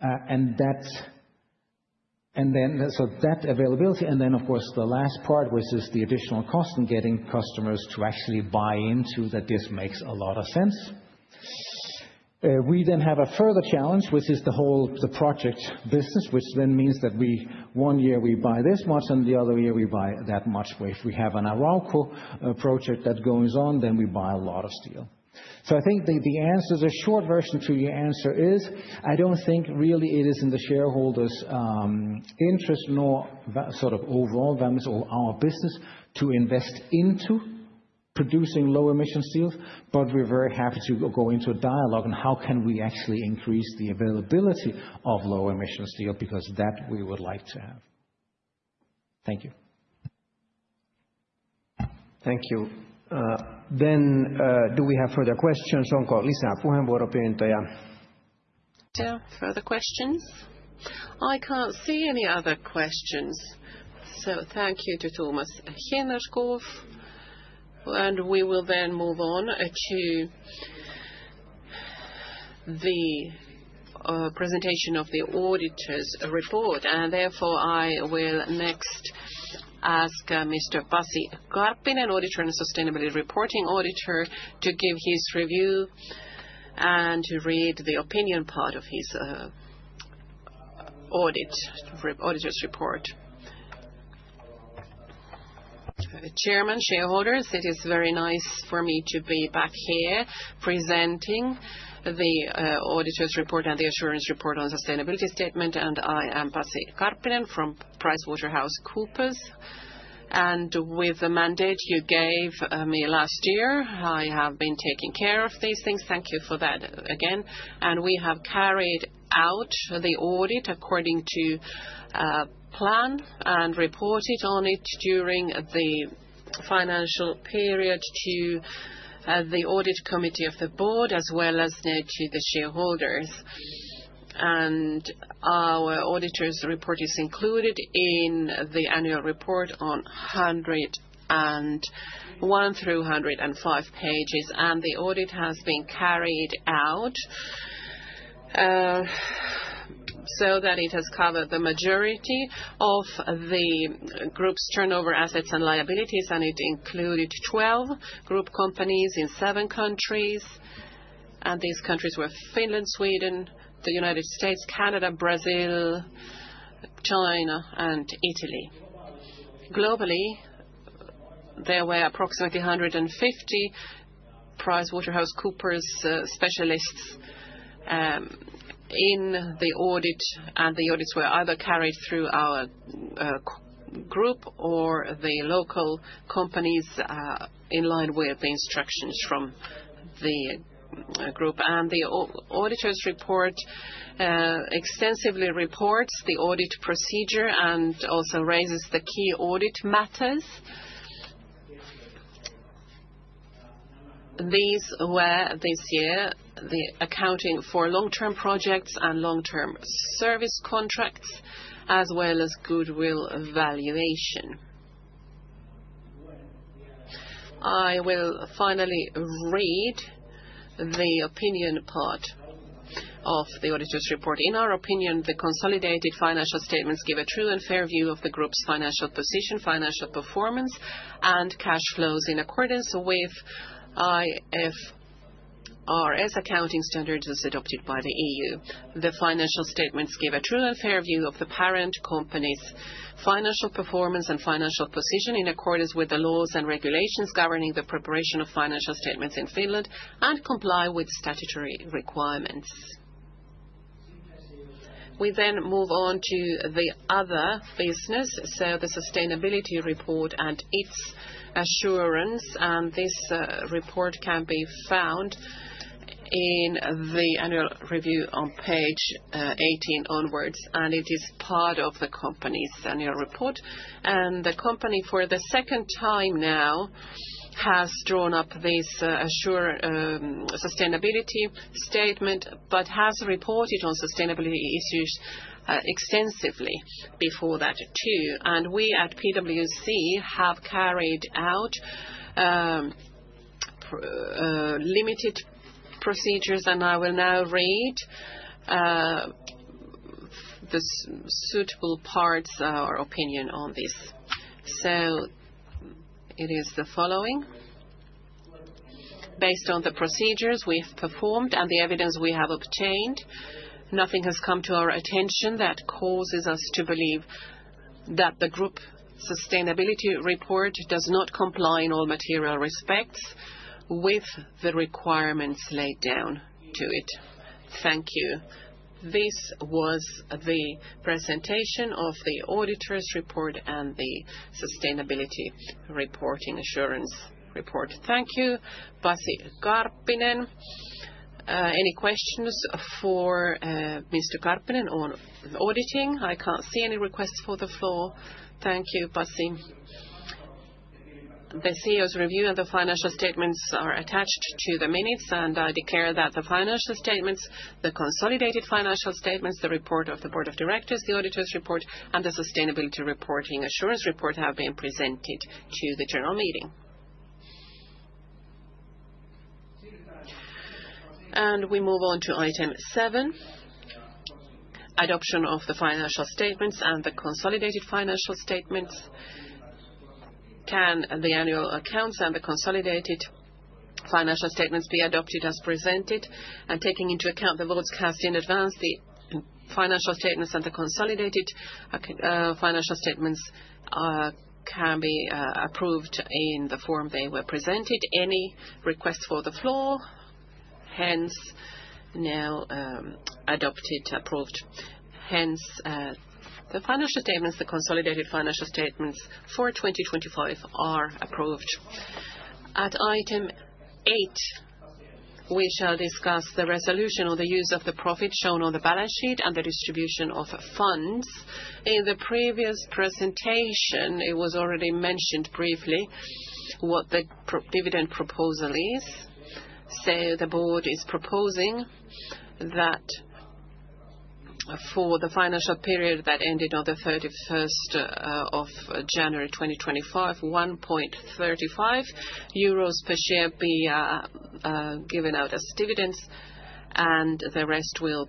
That availability, and then of course the last part, which is the additional cost in getting customers to actually buy into that this makes a lot of sense. We have a further challenge, which is the project business, which means that one year we buy this much, and the other year we buy that much. Where if we have an Arauco project that goes on, then we buy a lot of steel. I think the answer, the short version to your answer is, I don't think really it is in the shareholders', interest, nor the sort of overall benefit of our business to invest into producing low emission steels, but we're very happy to go into a dialogue on how can we actually increase the availability of low emission steel, because that we would like to have. Thank you. Thank you. Do we have further questions? Further questions? I can't see any other questions. Thank you to Thomas Hinnerskov. We will then move on to the presentation of the auditor's report. Therefore, I will next ask Mr. Pasi Karppinen, auditor and sustainability reporting auditor, to give his review and to read the opinion part of his auditor's report. Chairman, shareholders, it is very nice for me to be back here presenting the auditor's report and the assurance report on sustainability statement. I am Pasi Karppinen from PricewaterhouseCoopers. With the mandate you gave me last year, I have been taking care of these things. Thank you for that again. We have carried out the audit according to plan and reported on it during the financial period to the audit committee of the board, as well as then to the shareholders. Our auditor's report is included in the annual report on pages 101 through 105, and the audit has been carried out so that it has covered the majority of the group's turnover assets and liabilities, and it included 12 group companies in 7 countries. These countries were Finland, Sweden, the United States, Canada, Brazil, China, and Italy. Globally, there were approximately 150 PricewaterhouseCoopers specialists in the audit, and the audits were either carried through our group or the local companies in line with the instructions from the group. The auditor's report extensively reports the audit procedure and also raises the key audit matters. These were, this year, the accounting for long-term projects and long-term service contracts, as well as goodwill valuation. I will finally read the opinion part of the auditor's report. In our opinion, the consolidated financial statements give a true and fair view of the group's financial position, financial performance, and cash flows in accordance with IFRS accounting standards as adopted by the EU. The financial statements give a true and fair view of the parent company's financial performance and financial position in accordance with the laws and regulations governing the preparation of financial statements in Finland and comply with statutory requirements. We then move on to the other business, so the sustainability report and its assurance, and this report can be found in the annual review on page 18 onwards, and it is part of the company's annual report. The company, for the second time now, has drawn up this assured sustainability statement, but has reported on sustainability issues extensively before that too. We at PwC have carried out limited procedures, and I will now read the suitable parts of our opinion on this. It is the following: Based on the procedures we've performed and the evidence we have obtained, nothing has come to our attention that causes us to believe that the group sustainability report does not comply in all material respects with the requirements laid down to it. Thank you. This was the presentation of the auditor's report and the sustainability reporting assurance report. Thank you, Pasi Karppinen. Any questions for Mr. Karppinen on auditing? I can't see any requests for the floor. Thank you, Pasi. The CEO's review of the financial statements are attached to the minutes, and I declare that the financial statements, the consolidated financial statements, the report of the board of directors, the auditor's report, and the sustainability reporting assurance report have been presented to the general meeting. We move on to item 7, adoption of the financial statements and the consolidated financial statements. Can the annual accounts and the consolidated financial statements be adopted as presented? Taking into account the votes cast in advance, the financial statements and the consolidated financial statements can be approved in the form they were presented. Any requests for the floor? Hence, now, adopted, approved. Hence, the financial statements, the consolidated financial statements for 2025 are approved. At item eight, we shall discuss the resolution or the use of the profit shown on the balance sheet and the distribution of funds. In the previous presentation, it was already mentioned briefly what the dividend proposal is. The Board is proposing that for the financial period that ended on the 31st of January 2025, 1.35 euros per share be given out as dividends, and the rest will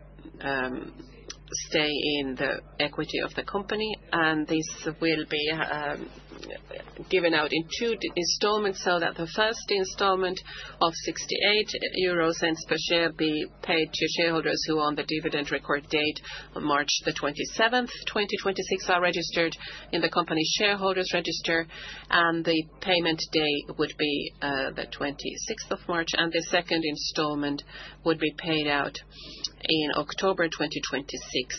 stay in the equity of the company. This will be given out in two installments, so that the first installment of 0.68 per share be paid to shareholders who on the dividend record date on March the 27th, 2026 are registered in the company shareholders register. The payment date would be the 26th of March, and the second installment would be paid out in October 2026,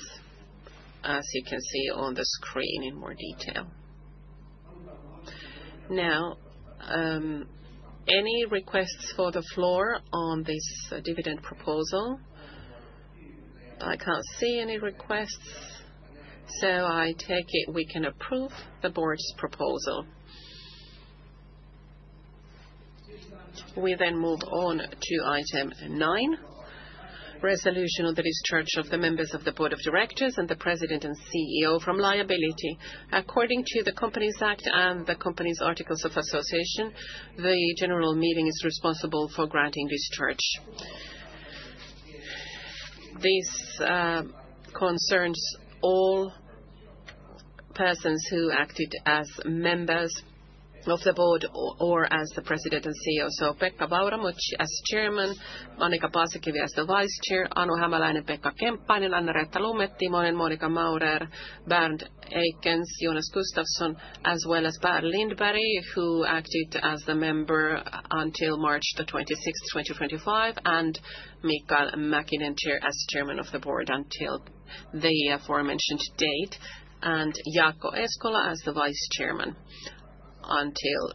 as you can see on the screen in more detail. Now, any requests for the floor on this dividend proposal? I can't see any requests, so I take it we can approve the board's proposal. We then move on to item nine, resolution of the discharge of the members of the Board of Directors and the President and CEO from liability. According to the Finnish Companies Act and the company's articles of association, the general meeting is responsible for granting discharge. This concerns all persons who acted as members of the board or as the President and CEO. Pekka Vauramo as Chairman, Annika Paasikivi as the Vice Chair, Anu Hämäläinen, Pekka Kemppainen, Annareetta Lumme-Timonen, Timo Nieminen, Monika Maurer, Bernd Eikens, Jonas Gustavsson, as well as Per Lindberg, who acted as the member until March 26, 2025, and Mikael Mäkinen as Chairman of the board until the aforementioned date, and Jaakko Eskola as the Vice Chairman until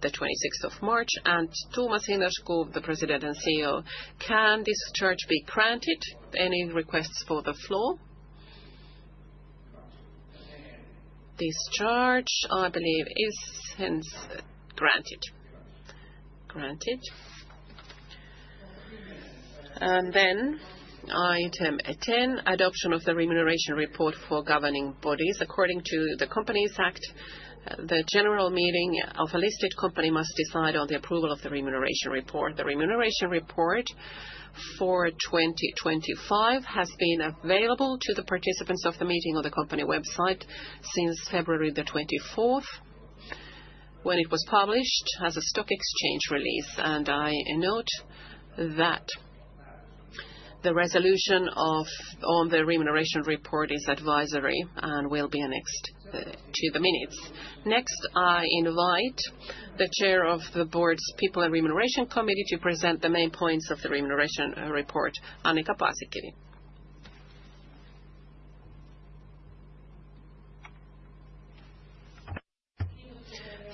the 26th of March, and Thomas Hinnerskov, the President and CEO. Can this charge be granted? Any requests for the floor? Discharge, I believe, is hence granted. Granted. Then item 10, adoption of the remuneration report for governing bodies. According to the Companies Act, the general meeting of a listed company must decide on the approval of the remuneration report. The remuneration report for 2025 has been available to the participants of the meeting on the company website since February 24, when it was published as a stock exchange release. I note that the resolution on the remuneration report is advisory and will be annexed to the minutes. Next, I invite the Chair of the Board’s People and Remuneration Committee to present the main points of the remuneration report. Annika Paasikivi.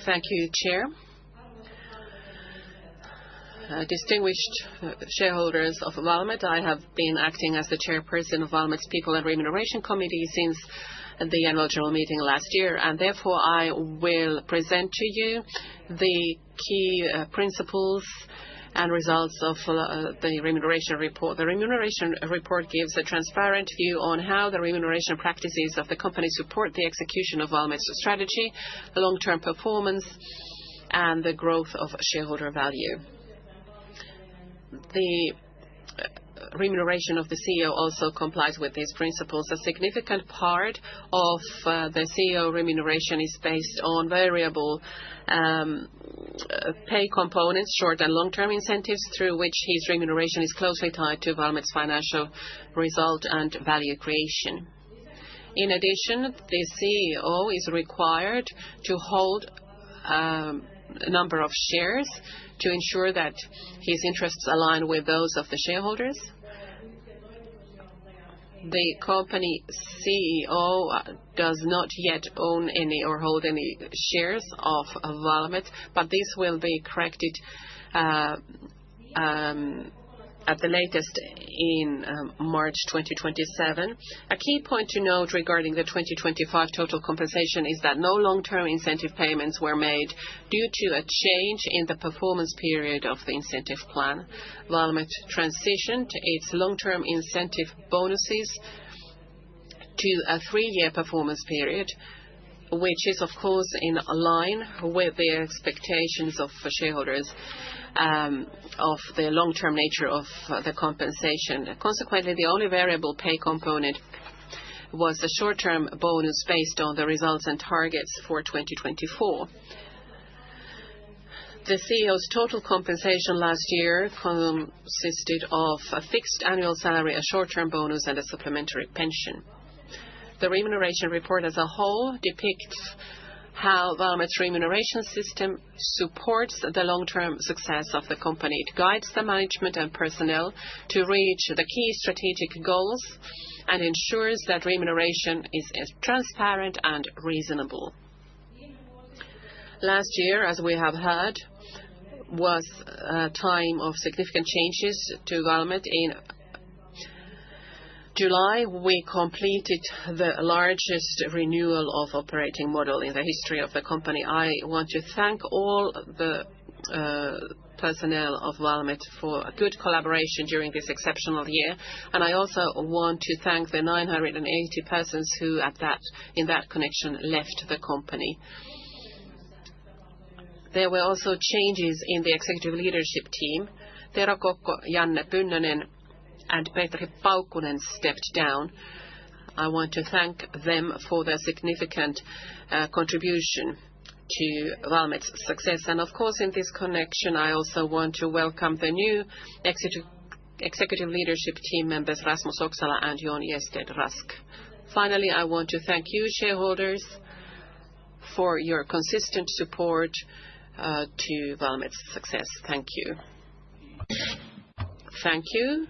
Thank you, Chair. Distinguished shareholders of Valmet, I have been acting as the chairperson of Valmet’s People and Remuneration Committee since the annual general meeting last year, and therefore I will present to you the key principles and results of the remuneration report. The remuneration report gives a transparent view on how the remuneration practices of the company support the execution of Valmet's strategy, the long-term performance, and the growth of shareholder value. The remuneration of the CEO also complies with these principles. A significant part of the CEO remuneration is based on variable pay components, short and long-term incentives, through which his remuneration is closely tied to Valmet's financial result and value creation. In addition, the CEO is required to hold a number of shares to ensure that his interests align with those of the shareholders. The company CEO does not yet own any or hold any shares of Valmet, but this will be corrected at the latest in March 2027. A key point to note regarding the 2025 total compensation is that no long-term incentive payments were made due to a change in the performance period of the incentive plan. Valmet transitioned its long-term incentive bonuses to a three-year performance period, which is of course in line with the expectations of the shareholders, of the long-term nature of the compensation. Consequently, the only variable pay component was the short-term bonus based on the results and targets for 2024. The CEO's total compensation last year consisted of a fixed annual salary, a short-term bonus, and a supplementary pension. The remuneration report as a whole depicts how Valmet's remuneration system supports the long-term success of the company. It guides the management and personnel to reach the key strategic goals and ensures that remuneration is as transparent and reasonable. Last year, as we have heard, was a time of significant changes to Valmet. In July, we completed the largest renewal of operating model in the history of the company. I want to thank all the personnel of Valmet for a good collaboration during this exceptional year, and I also want to thank the 980 persons who in that connection left the company. There were also changes in the executive leadership team. Tero Kokko, Janne Pynnönen, and Petri Paukkunen stepped down. I want to thank them for their significant contribution to Valmet's success. Of course, in this connection, I also want to welcome the new executive leadership team members, Rasmus Oksala and Jon Jested-Rask. Finally, I want to thank you, shareholders, for your consistent support to Valmet's success. Thank you. Thank you.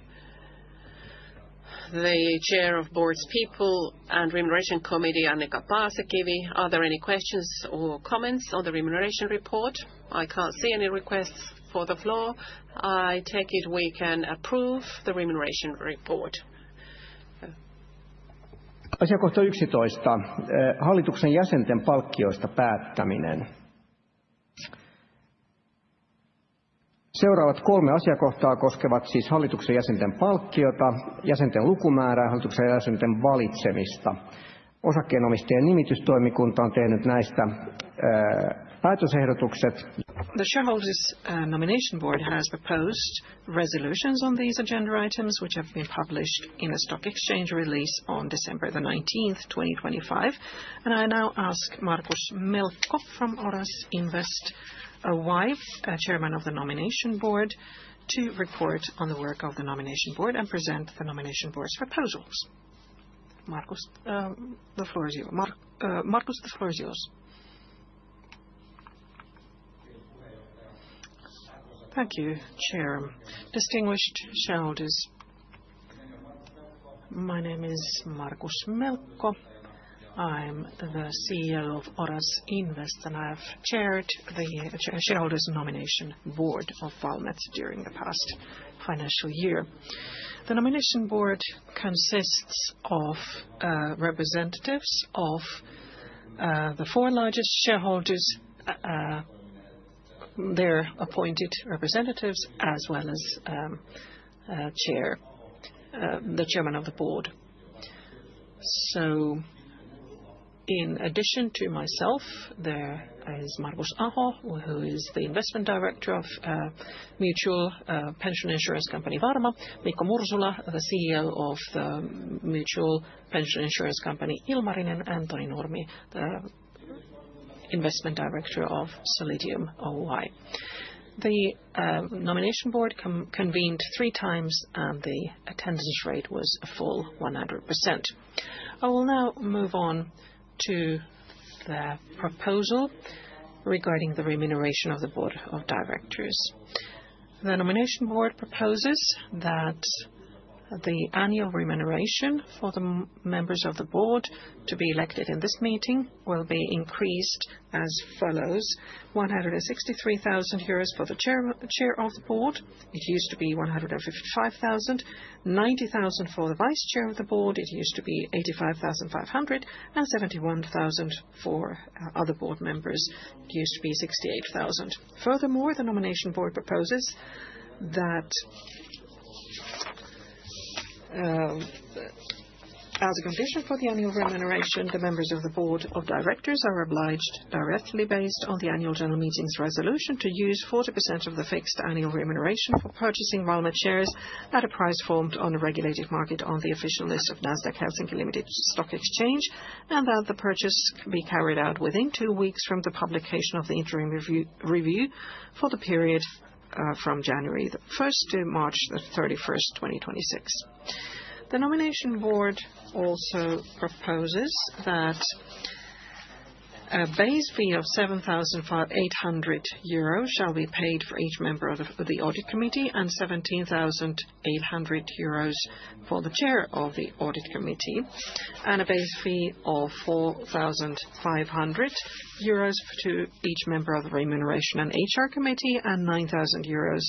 The Chair of the Board's People and Remuneration Committee, Annika Paasikivi, are there any questions or comments on the remuneration report? I can't see any requests for the floor. I take it we can approve the remuneration report. The shareholders' nomination board has proposed resolutions on these agenda items, which have been published in a stock exchange release on December 19, 2025. I now ask Markus Melkko from Oras Invest Oy, chairman of the nomination board, to report on the work of the nomination board and present the nomination board's proposals. Markus, the floor is yours. Thank you, Chair. Distinguished shareholders, my name is Markus Melkko. I'm the CEO of Oras Invest, and I have chaired the shareholders' nomination board of Valmet during the past financial year. The nomination board consists of representatives of the four largest shareholders, their appointed representatives, as well as the chairman of the board. In addition to myself, there is Markus Aho, who is the investment director of Varma Mutual Pension Insurance Company; Mikko Mursula, the CEO of the Ilmarinen Mutual Pension Insurance Company; and Toni Nurmi, the investment director of Solidium Oy. The nomination board convened three times, and the attendance rate was a full 100%. I will now move on to the proposal regarding the remuneration of the board of directors. The nomination board proposes that the annual remuneration for the members of the Board to be elected in this meeting will be increased as follows, 163 thousand euros for the Chair of the Board, it used to be 155 thousand, 90 thousand for the Vice Chair of the Board, it used to be 85,500, and 71 thousand for other Board members, it used to be 68 thousand. Furthermore, the nomination board proposes that as a condition for the annual remuneration, the members of the board of directors are obliged directly based on the annual general meeting's resolution to use 40% of the fixed annual remuneration for purchasing Valmet shares at a price formed on a regulated market on the official list of Nasdaq Helsinki Ltd, and that the purchase be carried out within two weeks from the publication of the interim review for the period from January 1 to March 31, 2026. The nomination board also proposes that a base fee of 7,800 euros shall be paid for each member of the Audit Committee and 17,800 euros for the chair of the Audit Committee, and a base fee of 4,500 euros to each member of the Remuneration and HR Committee, and 9,000 euros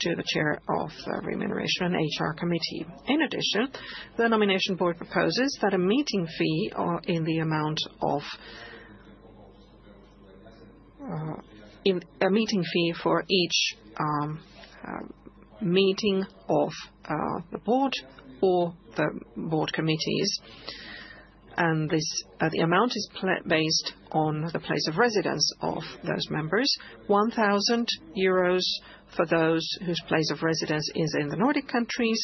to the chair of the Remuneration and HR Committee. In addition, the nomination board proposes that a meeting fee in the amount of a meeting fee for each meeting of the board or the board committees, and the amount is place-based on the place of residence of those members. 1000 euros for those whose place of residence is in the Nordic countries,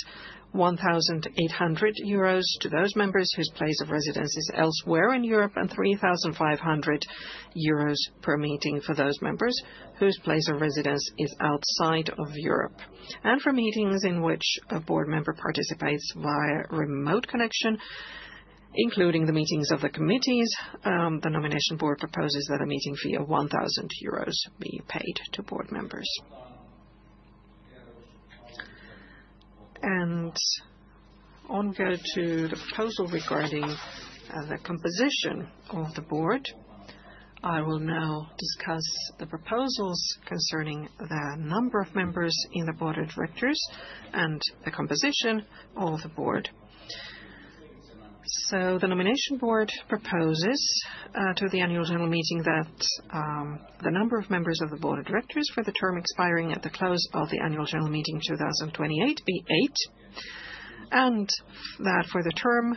1800 euros to those members whose place of residence is elsewhere in Europe, and 3500 euros per meeting for those members whose place of residence is outside of Europe. For meetings in which a board member participates via remote connection, including the meetings of the committees, the nomination board proposes that a meeting fee of 1000 euros be paid to board members. Now to the proposal regarding the composition of the board. I will now discuss the proposals concerning the number of members in the board of directors and the composition of the board. The nomination board proposes to the annual general meeting that the number of members of the board of directors for the term expiring at the close of the annual general meeting 2028 be eight. For the term,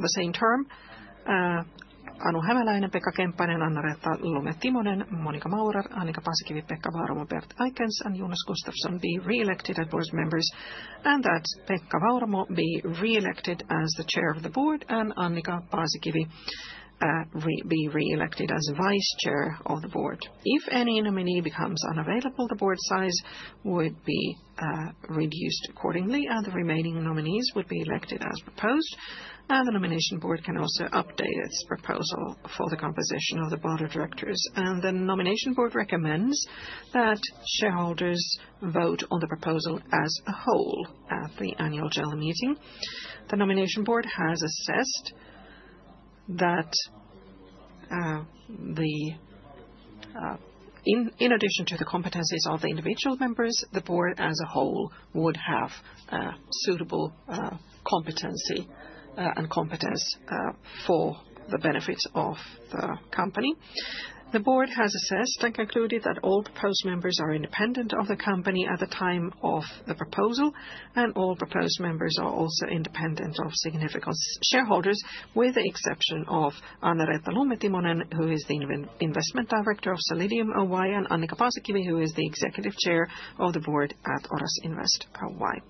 the same term, Anu Hämäläinen, Pekka Kemppainen, Annareetta Lumme-Timonen, Monika Maurer, Annika Paasikivi, Pekka Vauramo, Bernd Eikens, and Jonas Gustavsson be re-elected as board members. Pekka Vauramo be re-elected as the Chair of the board, and Annika Paasikivi re-elected as Vice Chair of the board. If any nominee becomes unavailable, the board size would be reduced accordingly, and the remaining nominees would be elected as proposed. The nomination board can also update its proposal for the composition of the board of directors. The nomination board recommends that shareholders vote on the proposal as a whole at the annual general meeting. The nomination board has assessed that in addition to the competencies of the individual members, the board as a whole would have suitable competency and competence for the benefits of the company. The board has assessed and concluded that all proposed members are independent of the company at the time of the proposal, and all proposed members are also independent of significant shareholders, with the exception of Annareetta Lumme-Timonen, who is the investment director of Solidium Oy, and Annika Paasikivi, who is the Executive Chair of the board at Oras Invest Oy.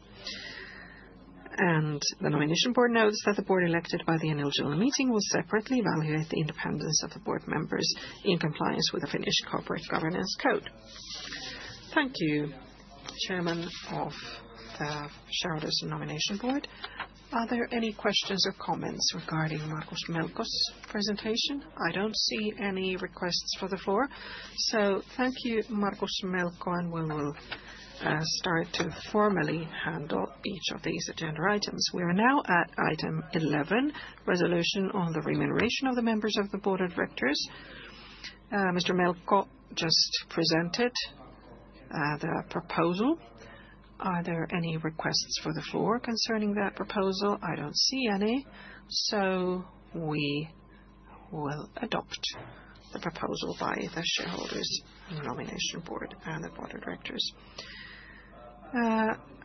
The nomination board notes that the board elected by the annual general meeting will separately evaluate the independence of the board members in compliance with the Finnish Corporate Governance Code. Thank you, Chairman of the Shareholders' Nomination Board. Are there any questions or comments regarding Markus Melkko's presentation? I don't see any requests for the floor. Thank you, Markus Melkko, and we will start to formally handle each of these agenda items. We are now at item 11, resolution on the remuneration of the members of the Board of Directors. Mr. Melkko just presented the proposal. Are there any requests for the floor concerning that proposal? I don't see any, so we will adopt the proposal by the Shareholders' Nomination Board and the Board of Directors.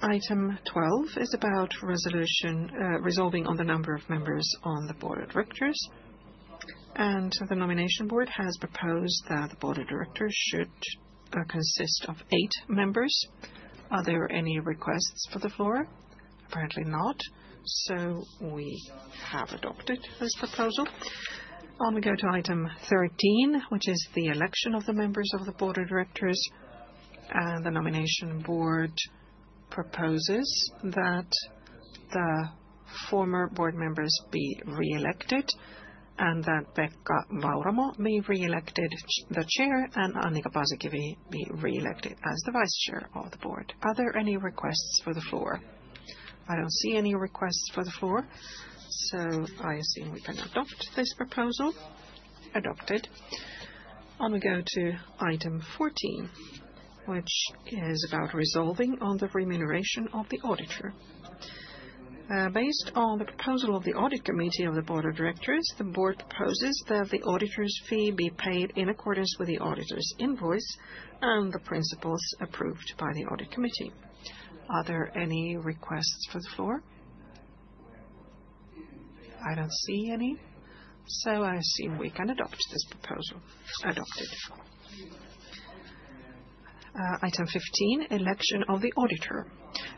Item 12 is about resolution resolving on the number of members on the Board of Directors. The nomination board has proposed that the board of directors should consist of eight members. Are there any requests for the floor? Apparently not. We have adopted this proposal. On we go to item 13, which is the election of the members of the board of directors. The nomination board proposes that the former board members be re-elected and that Pekka Vauramo be re-elected as the Chair and Annika Paasikivi be re-elected as the Vice Chair of the board. Are there any requests for the floor? I don't see any requests for the floor, so I assume we can adopt this proposal. Adopted. On we go to item 14, which is about resolving on the remuneration of the auditor. Based on the proposal of the Audit Committee of the Board of Directors, the board proposes that the auditor's fee be paid in accordance with the auditor's invoice and the principles approved by the Audit Committee. Are there any requests for the floor? I don't see any, so I assume we can adopt this proposal. Adopted. Item 15, election of the auditor.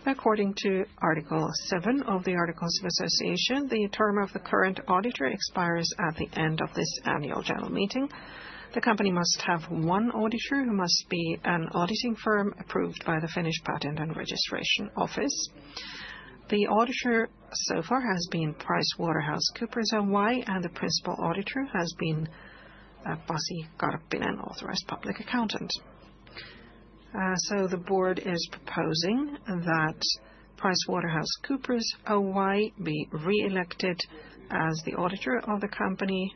According to Article 7 of the Articles of Association, the term of the current auditor expires at the end of this annual general meeting. The company must have one auditor who must be an auditing firm approved by the Finnish Patent and Registration Office. The auditor so far has been PricewaterhouseCoopers Oy, and the principal auditor has been Pasi Karppinen, authorized public accountant. The board is proposing that PricewaterhouseCoopers Oy be re-elected as the auditor of the company.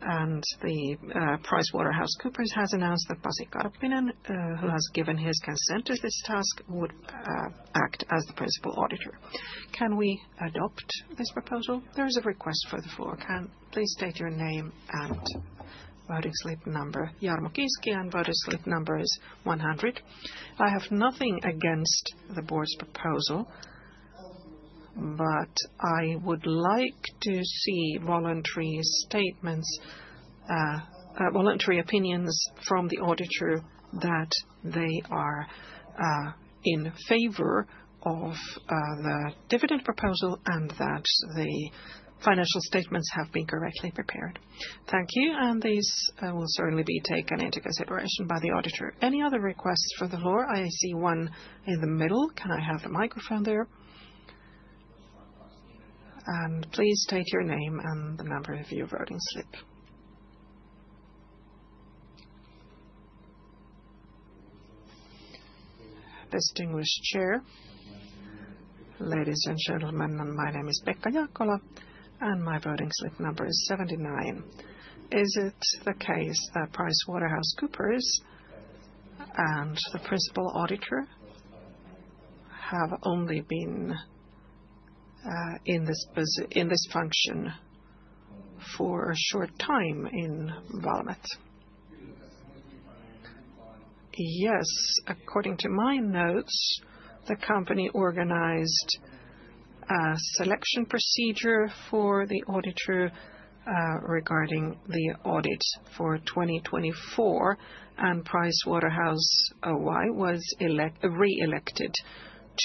PricewaterhouseCoopers has announced that Pasi Karppinen, who has given his consent to this task, would act as the principal auditor. Can we adopt this proposal? There is a request for the floor. Please state your name and voting slip number. Jarmo Kiiski, voting slip number 100. I have nothing against the board's proposal, but I would like to see voluntary opinions from the auditor that they are in favor of the dividend proposal and that the financial statements have been correctly prepared. Thank you. These will certainly be taken into consideration by the auditor. Any other requests for the floor? I see one in the middle. Can I have the microphone there? Please state your name and the number of your voting slip. Distinguished Chair, ladies and gentlemen. My name is Pekka Jaakkola and my voting slip number is 79. Is it the case that PricewaterhouseCoopers and the principal auditor have only been in this function for a short time in Valmet? Yes. According to my notes, the company organized a selection procedure for the auditor regarding the audit for 2024, and PricewaterhouseCoopers Oy was reelected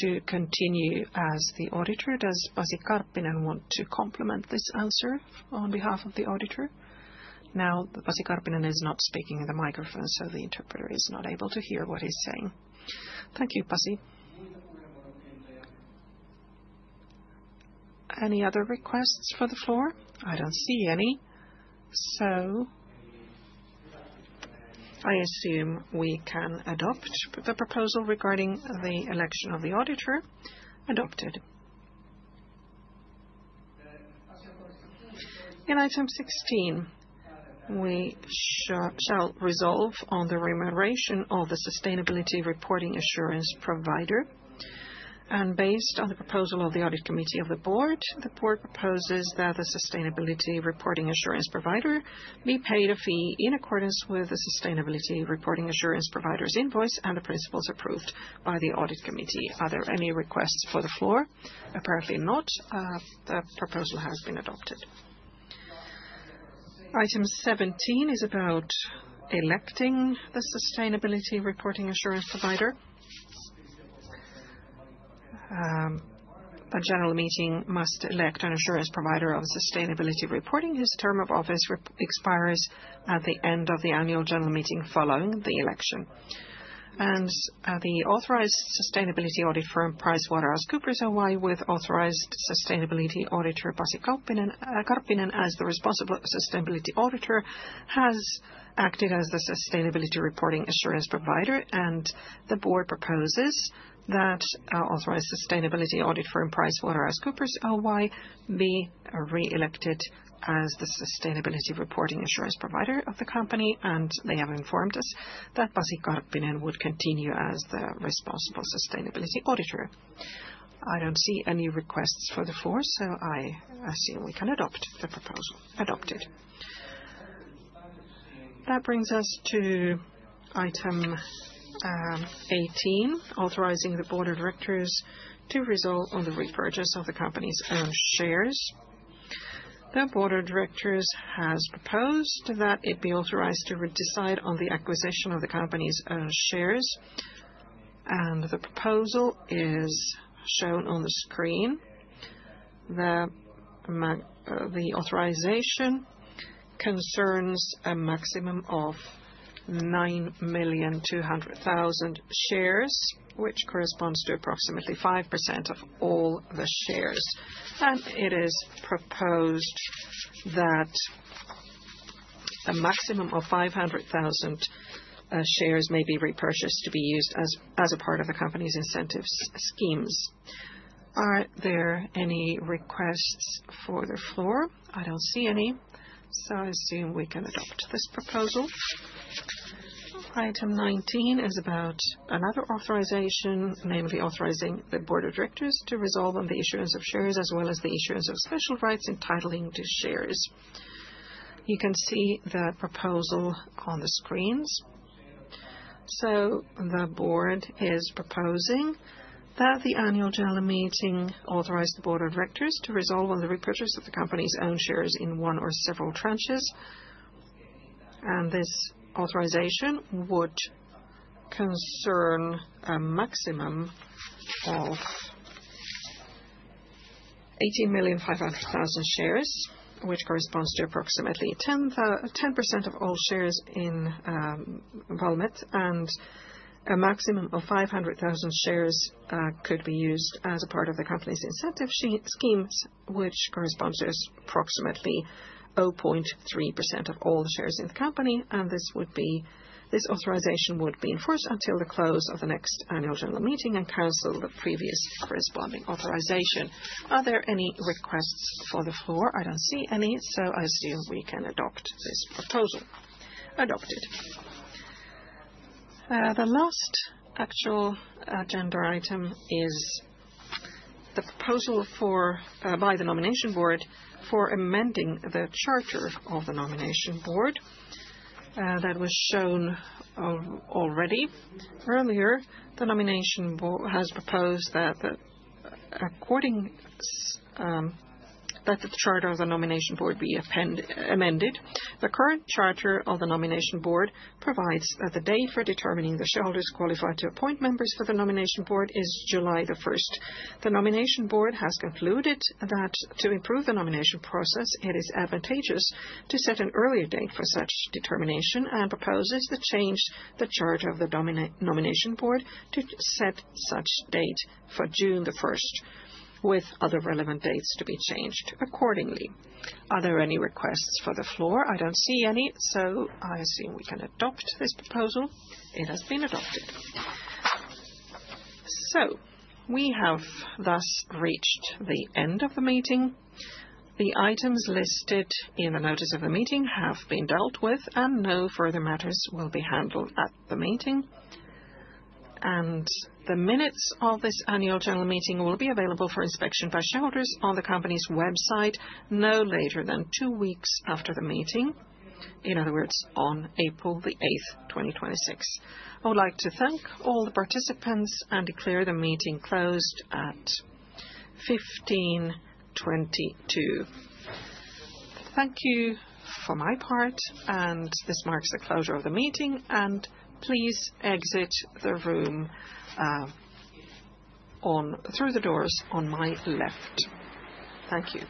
to continue as the auditor. Does Pasi Karppinen want to complement this answer on behalf of the auditor? Now, Pasi Karppinen is not speaking in the microphone, so the interpreter is not able to hear what he's saying. Thank you, Pasi. Any other requests for the floor? I don't see any, so I assume we can adopt the proposal regarding the election of the auditor. Adopted. In item sixteen, we shall resolve on the remuneration of the sustainability reporting assurance provider. Based on the proposal of the audit committee of the board, the board proposes that the sustainability reporting assurance provider be paid a fee in accordance with the sustainability reporting assurance provider's invoice and the principles approved by the audit committee. Are there any requests for the floor? Apparently not. The proposal has been adopted. Item seventeen is about electing the sustainability reporting assurance provider. The general meeting must elect an assurance provider of sustainability reporting whose term of office expires at the end of the annual general meeting following the election. The authorized sustainability audit firm, PricewaterhouseCoopers Oy, with authorized sustainability auditor Pasi Karppinen, as the responsible sustainability auditor, has acted as the sustainability reporting assurance provider. The board proposes that our authorized sustainability audit firm, PricewaterhouseCoopers Oy, be reelected as the sustainability reporting assurance provider of the company. They have informed us that Pasi Karppinen would continue as the responsible sustainability auditor. I don't see any requests for the floor, so I assume we can adopt the proposal. Adopted. That brings us to item eighteen, authorizing the board of directors to resolve on the repurchase of the company's own shares. The board of directors has proposed that it be authorized to decide on the acquisition of the company's own shares, and the proposal is shown on the screen. The authorization concerns a maximum of 9,200,000 shares, which corresponds to approximately 5% of all the shares. It is proposed that a maximum of 500,000 shares may be repurchased to be used as a part of the company's incentive schemes. Are there any requests for the floor? I don't see any, so I assume we can adopt this proposal. Item nineteen is about another authorization, namely authorizing the Board of Directors to resolve on the issuance of shares as well as the issuance of special rights entitling to shares. You can see the proposal on the screens. The Board is proposing that the annual general meeting authorize the Board of Directors to resolve on the repurchase of the company's own shares in one or several tranches, and this authorization would concern a maximum of 18,500,000 shares, which corresponds to approximately 10% of all shares in Valmet. A maximum of 500,000 shares could be used as a part of the company's incentive schemes, which corresponds to approximately 0.3% of all the shares in the company. This authorization would be in force until the close of the next annual general meeting and cancel the previous corresponding authorization. Are there any requests for the floor? I don't see any, so I assume we can adopt this proposal. Adopted. The last actual agenda item is the proposal by the nomination board for amending the charter of the nomination board that was shown already earlier. The nomination board has proposed that the charter of the nomination board be amended. The current charter of the nomination board provides that the day for determining the shareholders qualified to appoint members for the nomination board is July 1. The nomination board has concluded that to improve the nomination process, it is advantageous to set an earlier date for such determination and proposes to change the charter of the nomination board to set such date for June 1, with other relevant dates to be changed accordingly. Are there any requests for the floor? I don't see any, so I assume we can adopt this proposal. It has been adopted. We have thus reached the end of the meeting. The items listed in the notice of the meeting have been dealt with, and no further matters will be handled at the meeting. The minutes of this annual general meeting will be available for inspection by shareholders on the company's website no later than two weeks after the meeting. In other words, on April 8, 2026. I would like to thank all the participants and declare the meeting closed at 3:22 P.M. Thank you for my part, and this marks the closure of the meeting. Please exit the room on through the doors on my left. Thank you.